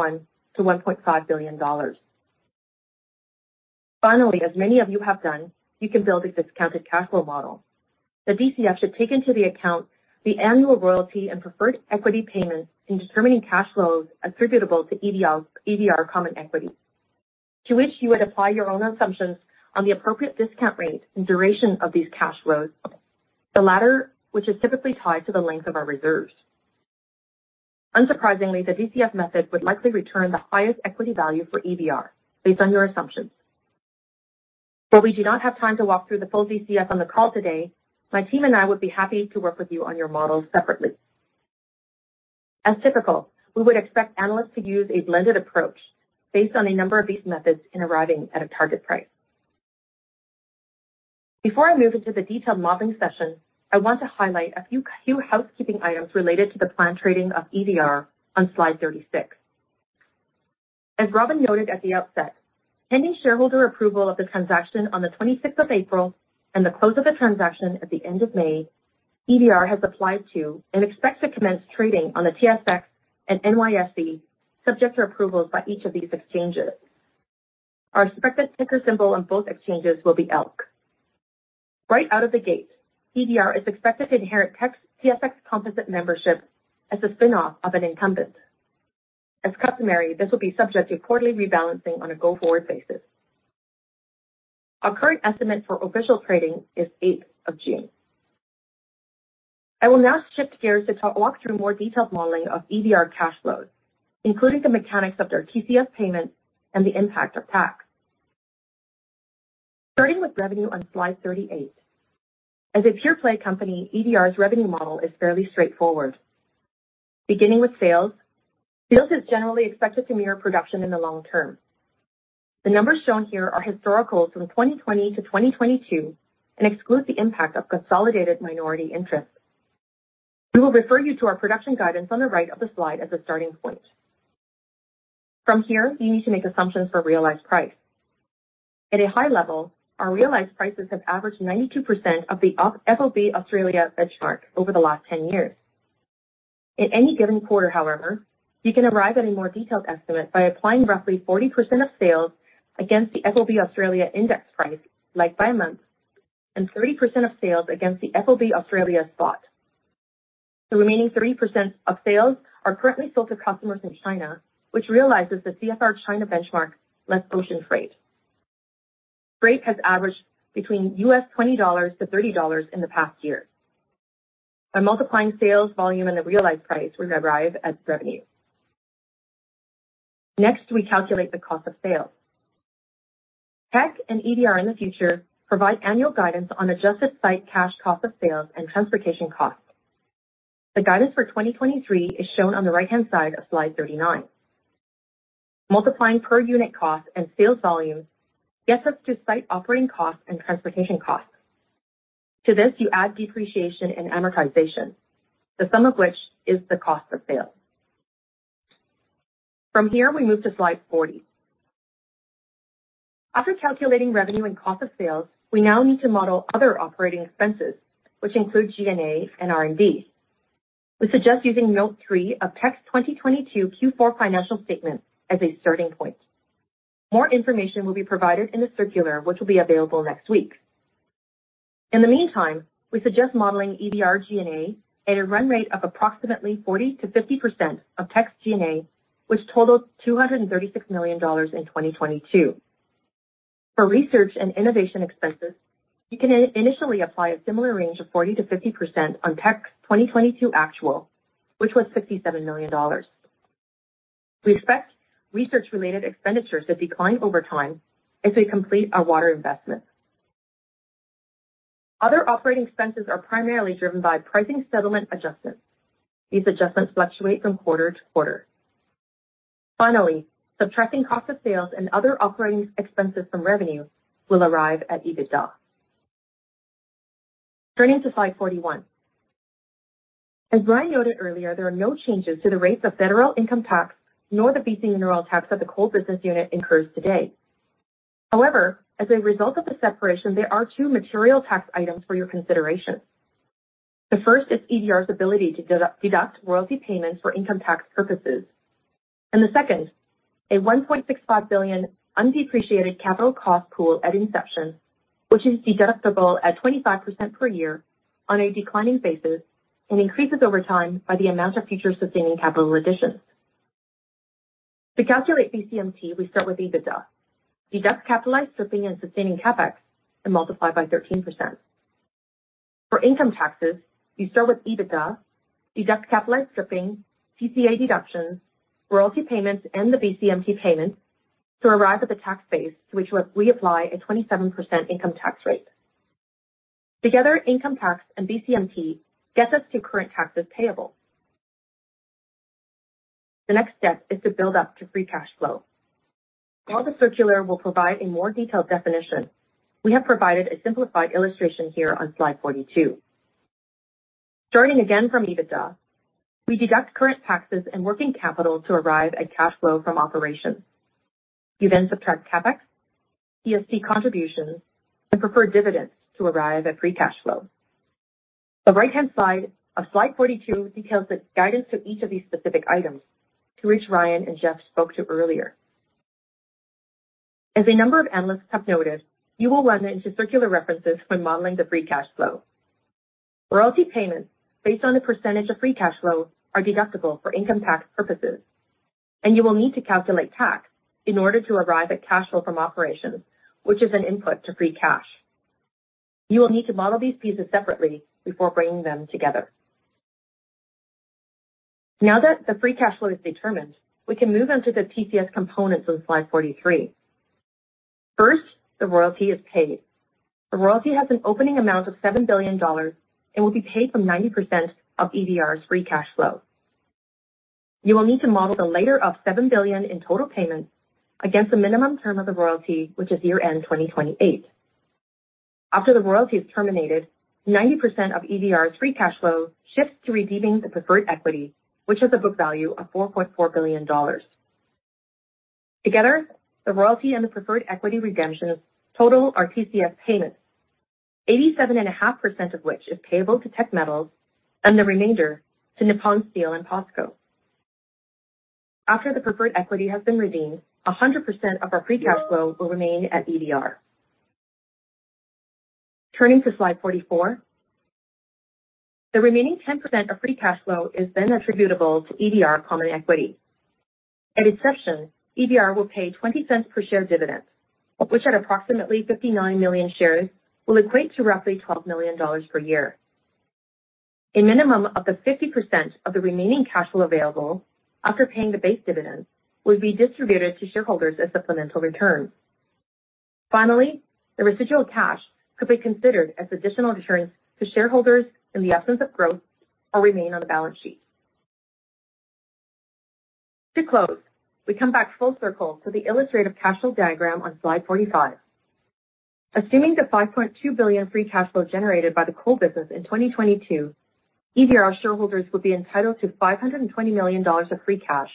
billion-$1.5 billion. Finally, as many of you have done, you can build a discounted cash flow model. The DCF should take into the account the annual royalty and preferred equity payments in determining cash flows attributable to EVR common equity. To which you would apply your own assumptions on the appropriate discount rate and duration of these cash flows, the latter, which is typically tied to the length of our reserves. Unsurprisingly, the DCF method would likely return the highest equity value for EVR based on your assumptions. While we do not have time to walk through the full DCF on the call today, my team and I would be happy to work with you on your models separately. As typical, we would expect analysts to use a blended approach based on a number of these methods in arriving at a target price. Before I move into the detailed modeling session, I want to highlight a few housekeeping items related to the planned trading of EVR on slide 36. As Robin noted at the outset, pending shareholder approval of the transaction on the 26th of April and the close of the transaction at the end of May, EVR has applied to and expects to commence trading on the TSX and NYSE subject to approvals by each of these exchanges. Our expected ticker symbol on both exchanges will be Elk. Right out of the gate, EVR is expected to inherit TSX Composite membership as a spinoff of an incumbent. As customary, this will be subject to quarterly rebalancing on a go-forward basis. Our current estimate for official trading is 8th of June. I will now shift gears to walk through more detailed modeling of EVR cash flows, including the mechanics of their TCS payments and the impact of tax. Starting with revenue on slide 38. As a pure-play company, EVR's revenue model is fairly straightforward. Beginning with sales. Sales is generally expected to mirror production in the long term. The numbers shown here are historical from 2020 to 2022 and excludes the impact of consolidated minority interests. We will refer you to our production guidance on the right of the slide as a starting point. From here, you need to make assumptions for realized price. At a high level, our realized prices have averaged 92% of the FOB Australia benchmark over the last 10 years. At any given quarter, however, you can arrive at a more detailed estimate by applying roughly 40% of sales against the FOB Australia index price like by month, and 30% of sales against the FOB Australia spot. The remaining 3% of sales are currently sold to customers in China, which realizes the CFR China benchmark less ocean freight. Freight has averaged between $20-$30 in the past year. By multiplying sales volume and the realized price, we arrive at revenue. We calculate the cost of sales. Teck and EVR in the future provide annual guidance on adjusted site cash cost of sales and transportation costs. The guidance for 2023 is shown on the right-hand side of slide 39. Multiplying per unit cost and sales volume gets us to site operating costs and transportation costs. To this, you add depreciation and amortization, the sum of which is the cost of sales. From here, we move to slide 40. After calculating revenue and cost of sales, we now need to model other operating expenses, which include G&A and R&D. We suggest using note three of Teck's 2022 Q4 financial statements as a starting point. More information will be provided in the circular, which will be available next week. In the meantime, we suggest modeling EVR G&A at a run rate of approximately 40%-50% of Teck's G&A, which totals $236 million in 2022. For research and innovation expenses, you can initially apply a similar range of 40%-50% on Teck's 2022 actual, which was $67 million. We expect research-related expenditures to decline over time as we complete our water investments. Other operating expenses are primarily driven by pricing settlement adjustments. These adjustments fluctuate from quarter to quarter. Subtracting cost of sales and other operating expenses from revenue will arrive at EBITDA. Turning to slide 41. As Ryan noted earlier, there are no changes to the rates of federal income tax nor the BC mineral tax that the coal business unit incurs today. As a result of the separation, there are two material tax items for your consideration. The first is EVR's ability to deduct royalty payments for income tax purposes. The second, a $1.65 billion undepreciated capital cost pool at inception, which is deductible at 25% per year on a declining basis and increases over time by the amount of future sustaining capital additions. To calculate BCMT, we start with EBITDA. Deduct capitalized stripping and sustaining CapEx and multiply by 13%. For income taxes, you start with EBITDA, deduct capitalized stripping, TCA deductions, royalty payments, and the BCMT payment to arrive at the tax base to which we apply a 27% income tax rate. Together, income tax and BCMT gets us to current taxes payable. The next step is to build up to free cash flow. While the circular will provide a more detailed definition, we have provided a simplified illustration here on slide 42. Starting again from EBITDA, we deduct current taxes and working capital to arrive at cash flow from operations. You then subtract CapEx, ESP contributions, and preferred dividends to arrive at free cash flow. The right-hand side of slide 42 details the guidance to each of these specific items, to which Ryan and Jeff spoke to earlier. As a number of analysts have noted, you will run into circular references when modeling the free cash flow. Royalty payments based on a percentage of free cash flow are deductible for income tax purposes. You will need to calculate tax in order to arrive at cash flow from operations, which is an input to free cash. You will need to model these pieces separately before bringing them together. Now that the free cash flow is determined, we can move on to the TCS components on slide 43. First, the royalty is paid. The royalty has an opening amount of $7 billion and will be paid from 90% of EVR's free cash flow. You will need to model the later of $7 billion in total payments against the minimum term of the royalty, which is year-end 2028. After the royalty is terminated, 90% of EVR's free cash flow shifts to redeeming the preferred equity, which has a book value of $4.4 billion. Together, the royalty and the preferred equity redemptions total our PCF payments, 87.5% of which is payable to Teck Metals and the remainder to Nippon Steel and POSCO. After the preferred equity has been redeemed, 100% of our free cash flow will remain at EVR. Turning to slide 44. The remaining 10% of free cash flow is attributable to EVR common equity. At inception, EVR will pay $0.20 per share dividends, which at approximately 59 million shares, will equate to roughly $12 million per year. A minimum of the 50% of the remaining cash flow available after paying the base dividends will be distributed to shareholders as supplemental returns. The residual cash could be considered as additional returns to shareholders in the absence of growth or remain on the balance sheet. To close, we come back full circle to the illustrative cash flow diagram on slide 45. Assuming the $5.2 billion free cash flow generated by the coal business in 2022, EVR shareholders would be entitled to $520 million of free cash,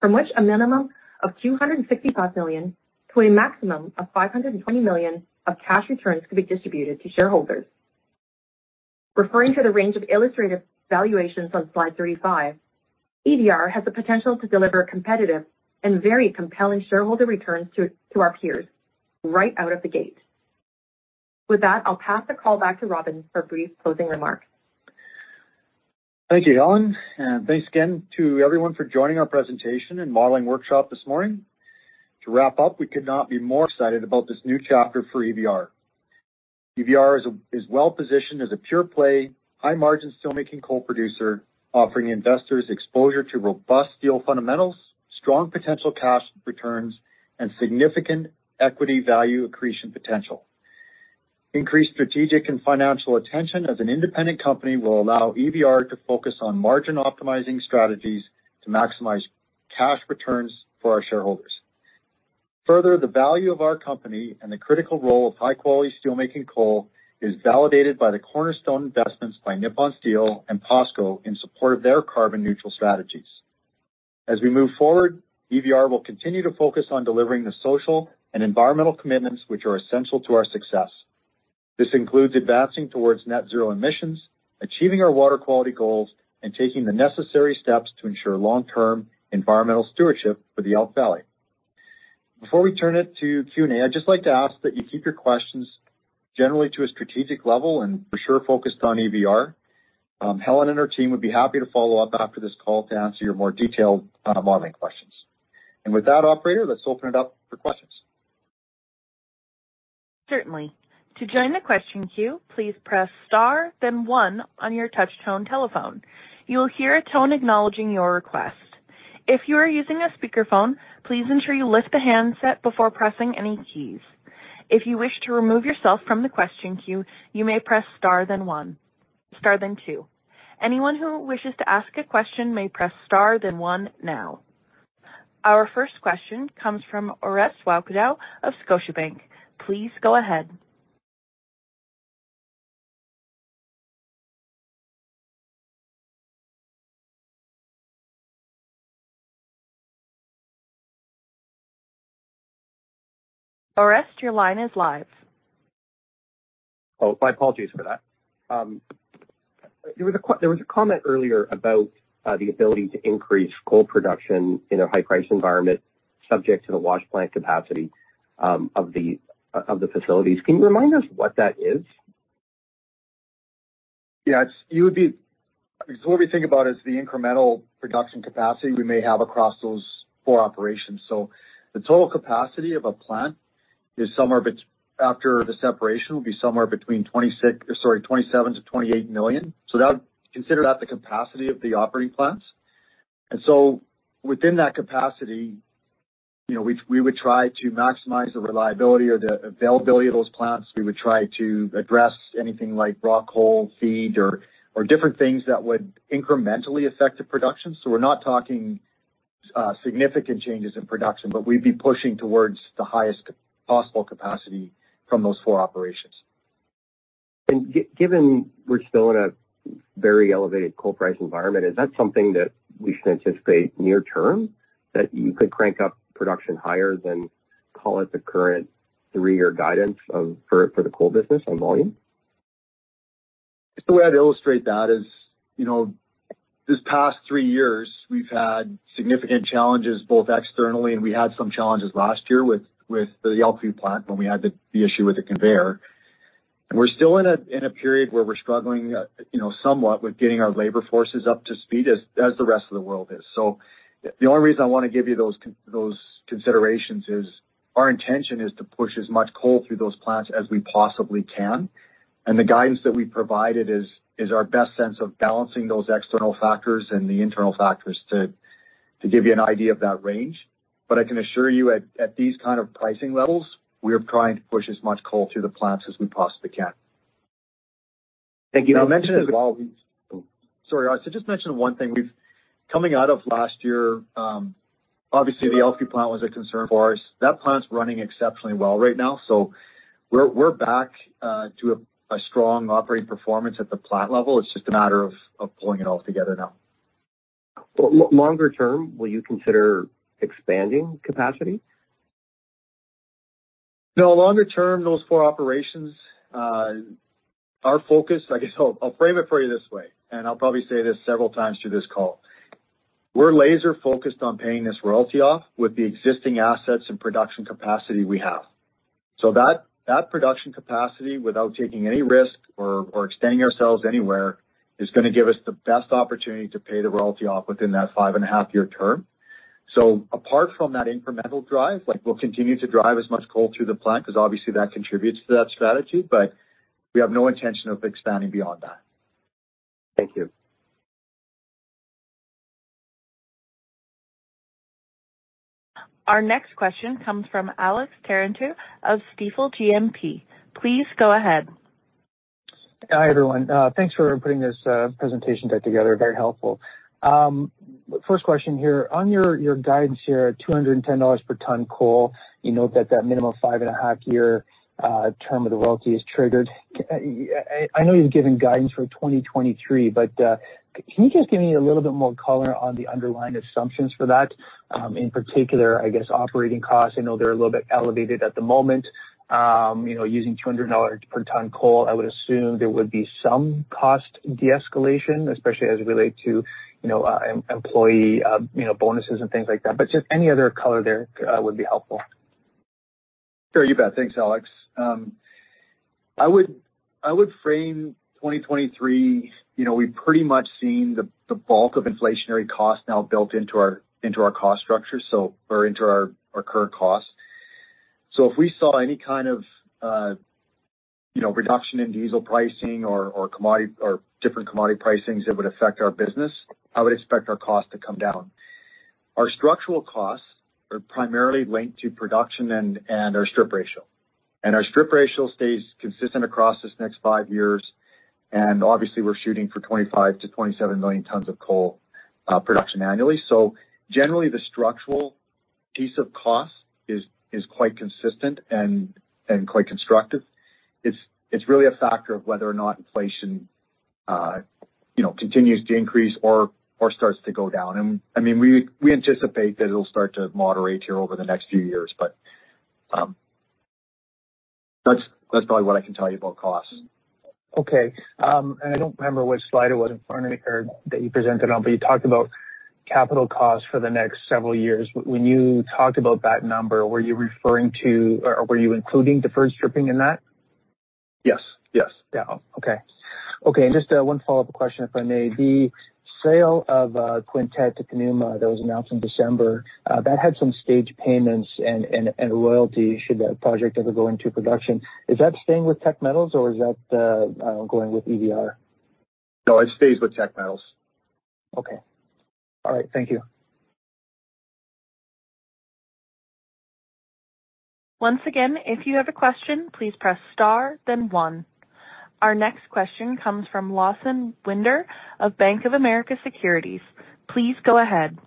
from which a minimum of $265 million to a maximum of $520 million of cash returns could be distributed to shareholders. Referring to the range of illustrative valuations on slide 35, EVR has the potential to deliver competitive and very compelling shareholder returns to our peers right out of the gate. With that, I'll pass the call back to Robin for brief closing remarks. Thank you, Helen. Thanks again to everyone for joining our presentation and modeling workshop this morning. To wrap up, we could not be more excited about this new chapter for EVR. EVR is well-positioned as a pure-play, high-margin steelmaking coal producer, offering investors exposure to robust steel fundamentals, strong potential cash returns, and significant equity value accretion potential. Increased strategic and financial attention as an independent company will allow EVR to focus on margin optimizing strategies to maximize cash returns for our shareholders. Further, the value of our company and the critical role of high-quality steelmaking coal is validated by the cornerstone investments by Nippon Steel and POSCO in support of their carbon neutral strategies. As we move forward, EVR will continue to focus on delivering the social and environmental commitments which are essential to our success. This includes advancing towards net zero emissions, achieving our water quality goals, and taking the necessary steps to ensure long-term environmental stewardship for the Elk Valley. Before we turn it to Q&A, I'd just like to ask that you keep your questions generally to a strategic level and for sure focused on EVR. Helen and her team would be happy to follow up after this call to answer your more detailed modeling questions. With that, operator, let's open it up for questions. Certainly. To join the question queue, please press star then one on your touch tone telephone. You will hear a tone acknowledging your request. If you are using a speakerphone, please ensure you lift the handset before pressing any keys. If you wish to remove yourself from the question queue, you may press star then two. Anyone who wishes to ask a question may press star then one now. Our first question comes from Orest Wowkodaw of Scotiabank. Please go ahead. Orest, your line is live. My apologies for that. There was a comment earlier about the ability to increase coal production in a high-price environment subject to the wash plant capacity of the facilities. Can you remind us what that is? What we think about is the incremental production capacity we may have across those four operations. The total capacity of a plant is somewhere after the separation, will be somewhere between 26... Sorry, 27-28 million. That would consider that the capacity of the operating plants. Within that capacity, you know, we would try to maximize the reliability or the availability of those plants. We would try to address anything like rock haul feed or different things that would incrementally affect the production. We're not talking significant changes in production, but we'd be pushing towards the highest possible capacity from those four operations. Given we're still in a very elevated coal price environment, is that something that we should anticipate near-term, that you could crank up production higher than call it the current 3-year guidance of for the coal business on volume? The way I'd illustrate that is, you know, these past three years we've had significant challenges, both externally. We had some challenges last year with the Elkview plant when we had the issue with the conveyor. We're still in a period where we're struggling, you know, somewhat with getting our labor forces up to speed, as the rest of the world is. The only reason I want to give you those considerations is our intention is to push as much coal through those plants as we possibly can. The guidance that we provided is our best sense of balancing those external factors and the internal factors to give you an idea of that range. I can assure you, at these kind of pricing levels, we're trying to push as much coal through the plants as we possibly can. Thank you. I'll mention as well, Coming out of last year, obviously the Elkview plant was a concern for us. That plant's running exceptionally well right now. We're back to a strong operating performance at the plant level. It's just a matter of pulling it all together now. Longer term, will you consider expanding capacity? Longer term, those four operations, I guess I'll frame it for you this way, and I'll probably say this several times through this call. We're laser focused on paying this royalty off with the existing assets and production capacity we have. That, that production capacity, without taking any risk or extending ourselves anywhere, is gonna give us the best opportunity to pay the royalty off within that five and a half year term. Apart from that incremental drive, like we'll continue to drive as much coal through the plant, 'cause obviously that contributes to that strategy, but we have no intention of expanding beyond that. Thank you. Our next question comes from Alex Terentiew of Stifel GMP. Please go ahead. Hi, everyone. Thanks for putting this presentation deck together. Very helpful. First question here. On your guidance here at $210 per ton coal, you note that minimum 5.5-year term of the royalty is triggered. I know you've given guidance for 2023, can you just give me a little bit more color on the underlying assumptions for that? In particular, I guess operating costs. I know they're a little bit elevated at the moment. You know, using $200 per ton coal, I would assume there would be some cost de-escalation, especially as it relate to, you know, employee, you know, bonuses and things like that. Just any other color there would be helpful. Sure, you bet. Thanks, Alex. I would frame 2023, you know, we've pretty much seen the bulk of inflationary costs now built into our cost structure, or into our current costs. If we saw any kind of, you know, reduction in diesel pricing or commodity, or different commodity pricings that would affect our business, I would expect our costs to come down. Our structural costs are primarily linked to production and our strip ratio. Our strip ratio stays consistent across this next five years, and obviously we're shooting for 25 to 27 million tons of coal production annually. Generally the structural piece of cost is quite consistent and quite constructive. It's really a factor of whether or not inflation, you know, continues to increase or starts to go down. I mean, we anticipate that it'll start to moderate here over the next few years, but, that's probably what I can tell you about costs. Okay. I don't remember which slide it was on or that you presented on, but you talked about capital costs for the next several years. When you talked about that number, were you referring to or were you including deferred stripping in that? Yes. Yes. Yeah. Okay. Okay, just, one follow-up question, if I may. The sale of Quintette to Conuma that was announced in December, that had some staged payments and royalty should that project ever go into production. Is that staying with Teck Metals Corp. or is that going with EVR? No, it stays with Teck Metals. Okay. All right. Thank you. Once again, if you have a question, please press star then one. Our next question comes from Lawson Winder of BofA Securities. Please go ahead.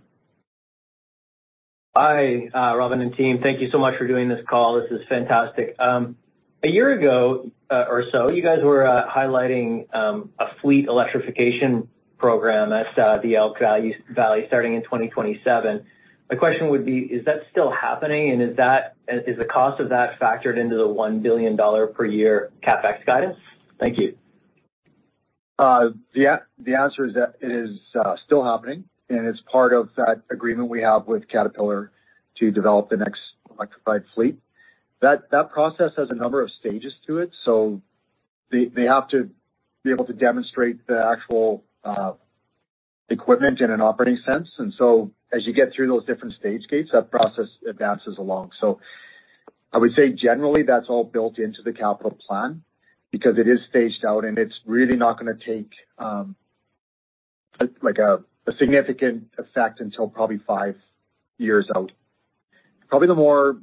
Hi, Robin and team. Thank you so much for doing this call. This is fantastic. A year ago, or so, you guys were highlighting a fleet electrification program at the Elk Valley starting in 2027. My question would be, is that still happening, and is the cost of that factored into the $1 billion per year CapEx guidance? Thank you. The answer is that it is still happening, and it's part of that agreement we have with Caterpillar to develop the next electrified fleet. That process has a number of stages to it, so they have to be able to demonstrate the actual equipment in an operating sense. As you get through those different stage gates, that process advances along. I would say generally that's all built into the capital plan because it is staged out and it's really not gonna take like a significant effect until probably five years out. Probably the more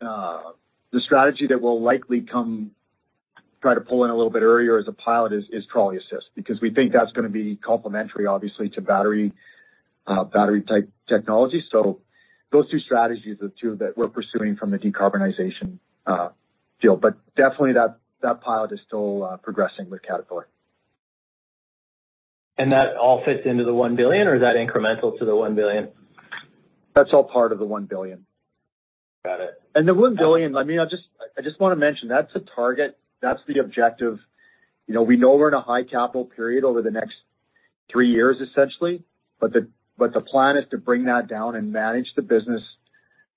the strategy that will likely come try to pull in a little bit earlier as a pilot is trolley assist, because we think that's gonna be complementary obviously to battery type technology. Those two strategies are the two that we're pursuing from the decarbonization deal. Definitely that pilot is still progressing with Caterpillar. That all fits into the $1 billion or is that incremental to the $1 billion? That's all part of the $1 billion. Got it. The $1 billion, I mean, I just wanna mention, that's a target, that's the objective. You know, we know we're in a high capital period over the next three years, essentially. The plan is to bring that down and manage the business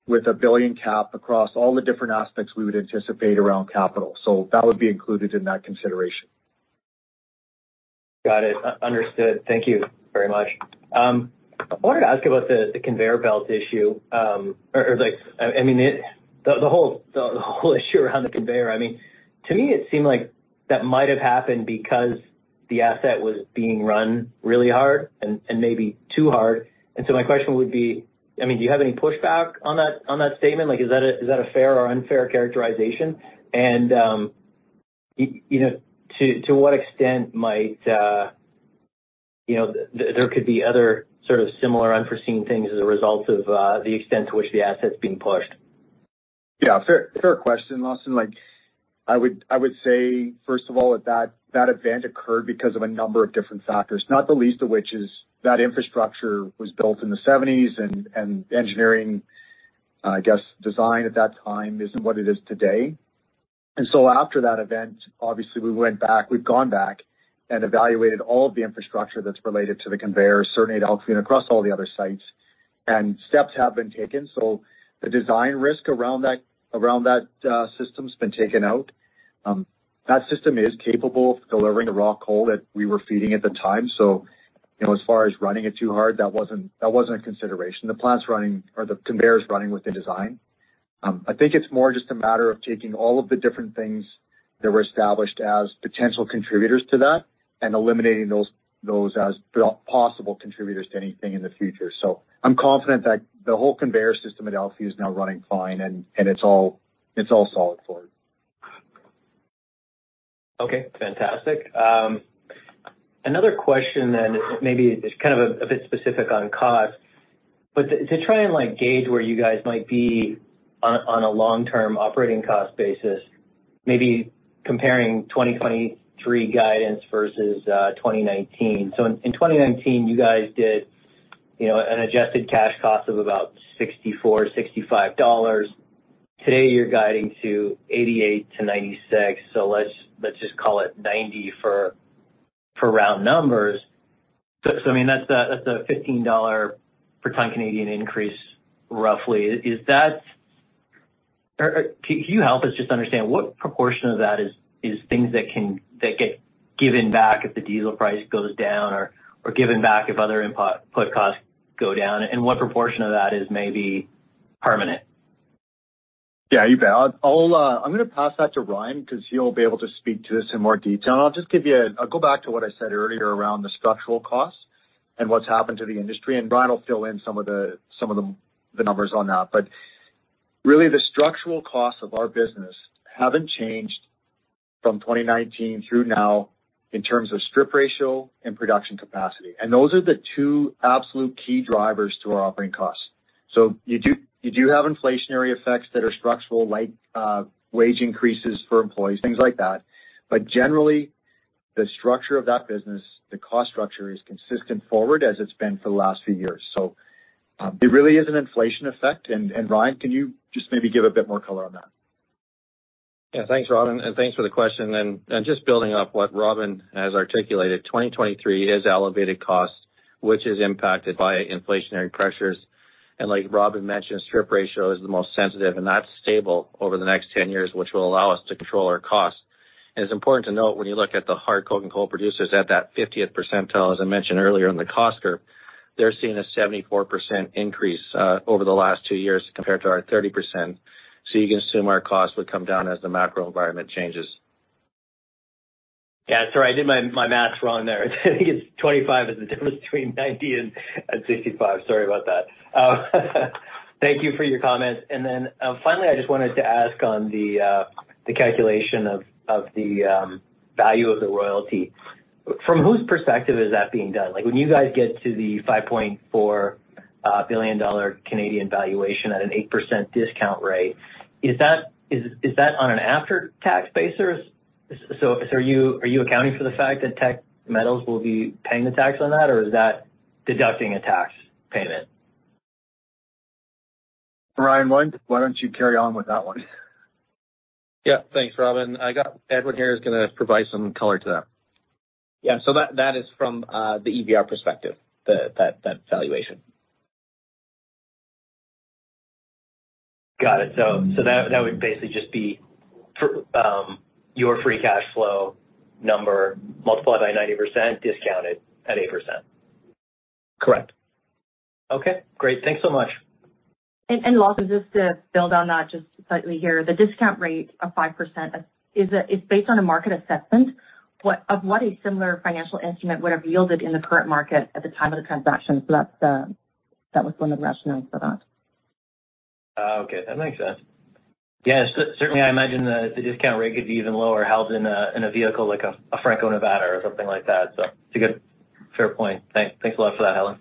with a $1 billion cap across all the different aspects we would anticipate around capital. That would be included in that consideration. Got it. Understood. Thank you very much. I wanted to ask about the conveyor belt issue, or like, I mean, the whole issue around the conveyor. I mean, to me, it seemed like that might have happened because the asset was being run really hard and maybe too hard. My question would be, I mean, do you have any pushback on that statement? Like, is that a fair or unfair characterization? You know, to what extent might, you know, there could be other sort of similar unforeseen things as a result of the extent to which the asset's being pushed? Fair, fair question, Lawson. Like, I would say, first of all, that event occurred because of a number of different factors, not the least of which is that infrastructure was built in the seventies and engineering, I guess, design at that time isn't what it is today. After that event, obviously, we went back. We've gone back and evaluated all of the infrastructure that's related to the conveyor, certain at Elkview and across all the other sites. Steps have been taken, so the design risk around that system's been taken out. That system is capable of delivering the raw coal that we were feeding at the time. You know, as far as running it too hard, that wasn't a consideration. The plant's running or the conveyor's running within design. I think it's more just a matter of taking all of the different things that were established as potential contributors to that and eliminating those as the possible contributors to anything in the future. I'm confident that the whole conveyor system at Elkview is now running fine, and it's all solid forward. Fantastic. Another question then maybe is kind of a bit specific on cost, but to try and, like, gauge where you guys might be on a long-term operating cost basis, maybe comparing 2023 guidance versus 2019. In 2019, you guys did, you know, an adjusted cash cost of about CAD $64-CAD $65. Today, you're guiding to CAD $88-CAD $96, so let's just call it CAD $90 for round numbers. I mean, that's a, that's a CAD $15 per ton Canadian increase roughly. Can you help us just understand what proportion of that is things that get given back if the diesel price goes down or given back if other input costs go down, and what proportion of that is maybe permanent? Yeah, you bet. I'm gonna pass that to Ryan 'cause he'll be able to speak to this in more detail. I'll go back to what I said earlier around the structural costs and what's happened to the industry, and Ryan will fill in some of the numbers on that. Really the structural costs of our business haven't changed from 2019 through now in terms of strip ratio and production capacity. Those are the two absolute key drivers to our operating costs. You do have inflationary effects that are structural, like wage increases for employees, things like that. Generally, the structure of that business, the cost structure, is consistent forward as it's been for the last few years. It really is an inflation effect. Ryan, can you just maybe give a bit more color on that? Thanks, Robin, and thanks for the question. Just building off what Robin has articulated, 2023 is elevated costs, which is impacted by inflationary pressures. Like Robin mentioned, strip ratio is the most sensitive, and that's stable over the next 10 years, which will allow us to control our costs. It's important to note when you look at the hard coking coal producers at that 50th percentile, as I mentioned earlier in the cost curve, they're seeing a 74% increase over the last two years compared to our 30%. You can assume our costs would come down as the macro environment changes. Yeah. Sorry, I did my math wrong there. I think it's 25 is the difference between 90 and 65. Sorry about that. Thank you for your comments. Then, finally I just wanted to ask on the calculation of the value of the royalty. From whose perspective is that being done? Like, when you guys get to the 5.4 billion Canadian dollars valuation at an 8% discount rate, is that on an after-tax basis? So are you accounting for the fact that Teck Metals will be paying the tax on that, or is that deducting a tax payment? Ryan, why don't you carry on with that one? Yeah. Thanks, Robin. I got Edward here who's gonna provide some color to that. Yeah. That is from the EVR perspective, that valuation. Got it. That would basically just be for your free cash flow number multiplied by 90%, discounted at 8%. Correct. Okay, great. Thanks so much. Lawson, just to build on that just slightly here. The discount rate of 5% is based on a market assessment of what a similar financial instrument would have yielded in the current market at the time of the transaction. That's, that was some of the rationale for that. Oh, okay. That makes sense. Yeah, certainly I imagine the discount rate could be even lower held in a, in a vehicle like a Franco-Nevada or something like that. It's a good fair point. Thanks. Thanks a lot for that, Helen.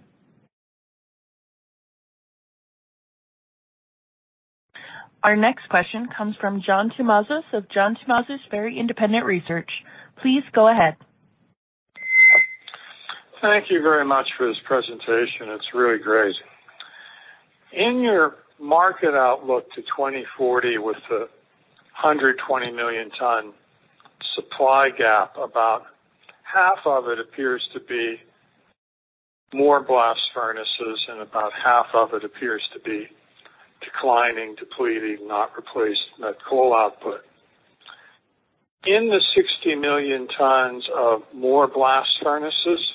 Our next question comes from John Tumazos of John Tumazos Very Independent Research. Please go ahead. Thank you very much for this presentation. It's really great. In your market outlook to 2040 with the 120 million ton supply gap, about half of it appears to be more blast furnaces and about half of it appears to be declining, depleting, not replaced that coal output. In the 60 million tons of more blast furnaces,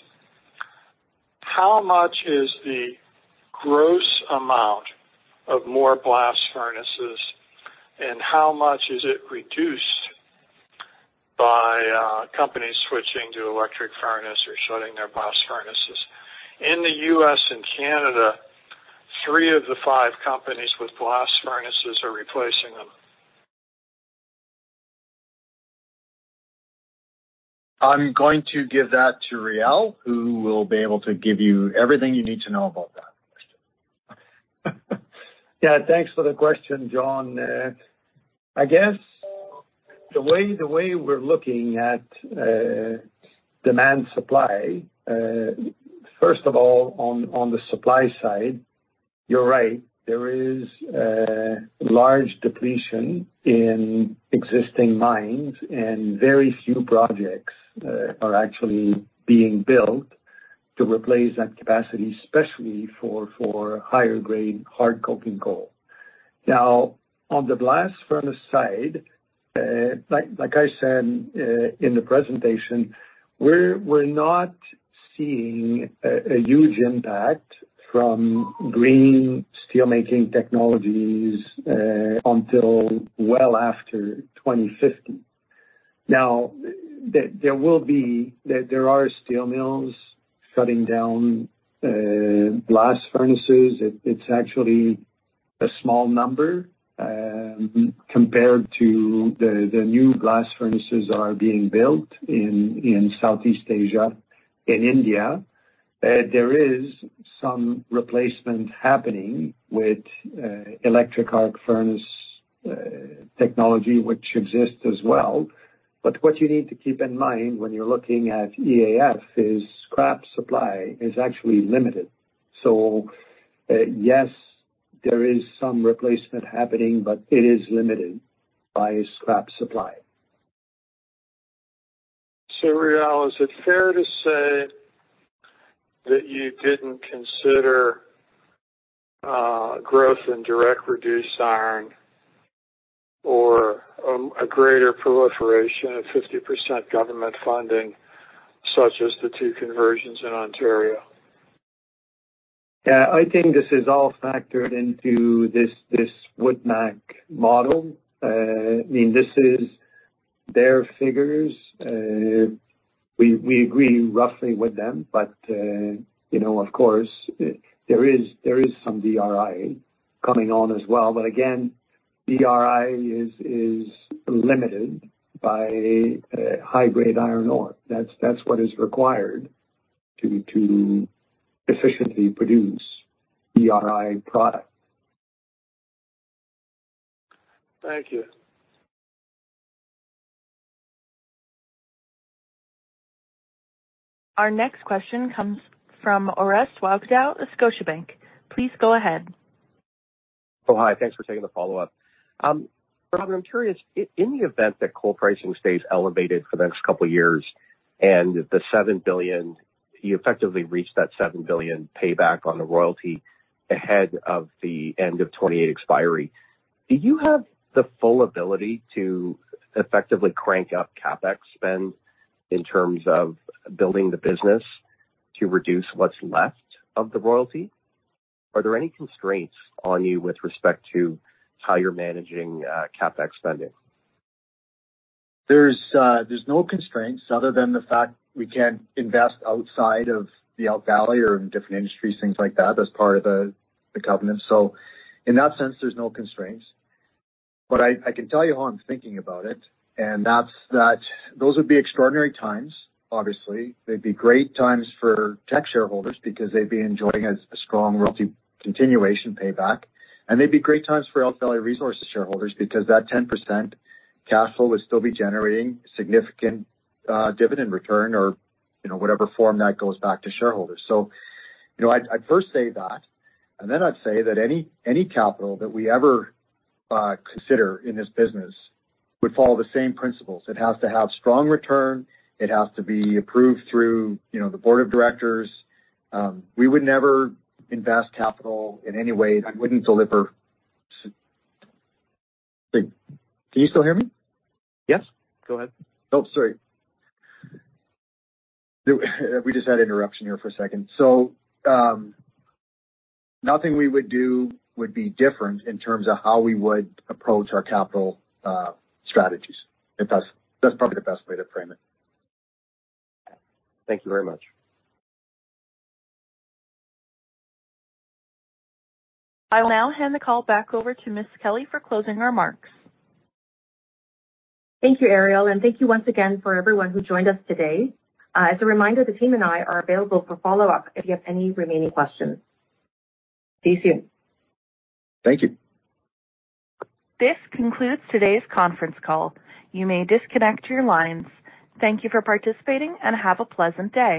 how much is the gross amount of more blast furnaces and how much is it reduced by companies switching to electric furnace or shutting their blast furnaces? In the U.S. and Canada, three of the five companies with blast furnaces are replacing them. I'm going to give that to Réal, who will be able to give you everything you need to know about that. Yeah. Thanks for the question, John. I guess the way we're looking at demand supply, first of all, on the supply side, you're right, there is large depletion in existing mines, and very few projects are actually being built to replace that capacity, especially for higher grade hard coking coal. Now, on the blast furnace side, like I said, in the presentation, we're not seeing a huge impact from green steel making technologies until well after 2050. Now, there are steel mills shutting down blast furnaces. It's actually a small number compared to the new blast furnaces are being built in Southeast Asia, in India. There is some replacement happening with electric arc furnace technology, which exists as well. What you need to keep in mind when you're looking at EAF is scrap supply is actually limited. Yes, there is some replacement happening, but it is limited by scrap supply. Réal, is it fair to say that you didn't consider growth in direct reduced iron or a greater proliferation of 50% government funding such as the two conversions in Ontario? Yeah. I think this is all factored into this WoodMac model. I mean, this is their figures. We agree roughly with them. You know, of course, there is some DRI coming on as well. Again, DRI is limited by high-grade iron ore. That's what is required to efficiently produce DRI product. Thank you. Our next question comes from Orest Wowkodaw of Scotiabank. Please go ahead. Oh, hi. Thanks for taking the follow-up. Robin, I'm curious. In the event that coal pricing stays elevated for the next couple of years and the $7 billion. You effectively reached that $7 billion payback on the royalty ahead of the end of 2028 expiry. Do you have the full ability to effectively crank up CapEx spend in terms of building the business to reduce what's left of the royalty? Are there any constraints on you with respect to how you're managing CapEx spending? There's no constraints other than the fact we can't invest outside of the Elk Valley or in different industries, things like that, as part of the covenant. In that sense, there's no constraints. I can tell you how I'm thinking about it, and that's that those would be extraordinary times, obviously. They'd be great times for Teck shareholders because they'd be enjoying a strong royalty continuation payback. They'd be great times for Elk Valley Resources shareholders because that 10% cash flow would still be generating significant dividend return or, you know, whatever form that goes back to shareholders. You know, I'd first say that. Then I'd say that any capital that we ever consider in this business would follow the same principles. It has to have strong return. It has to be approved through, you know, the board of directors. We would never invest capital in any way that wouldn't deliver... Can you still hear me? Yes, go ahead. Oh, sorry. We just had interruption here for a second. Nothing we would do would be different in terms of how we would approach our capital strategies. That's probably the best way to frame it. Thank you very much. I'll now hand the call back over to Ms. Kelly for closing remarks. Thank you, Ariel, and thank you once again for everyone who joined us today. As a reminder, the team and I are available for follow-up if you have any remaining questions. See you soon. Thank you. This concludes today's conference call. You may disconnect your lines. Thank you for participating and have a pleasant day.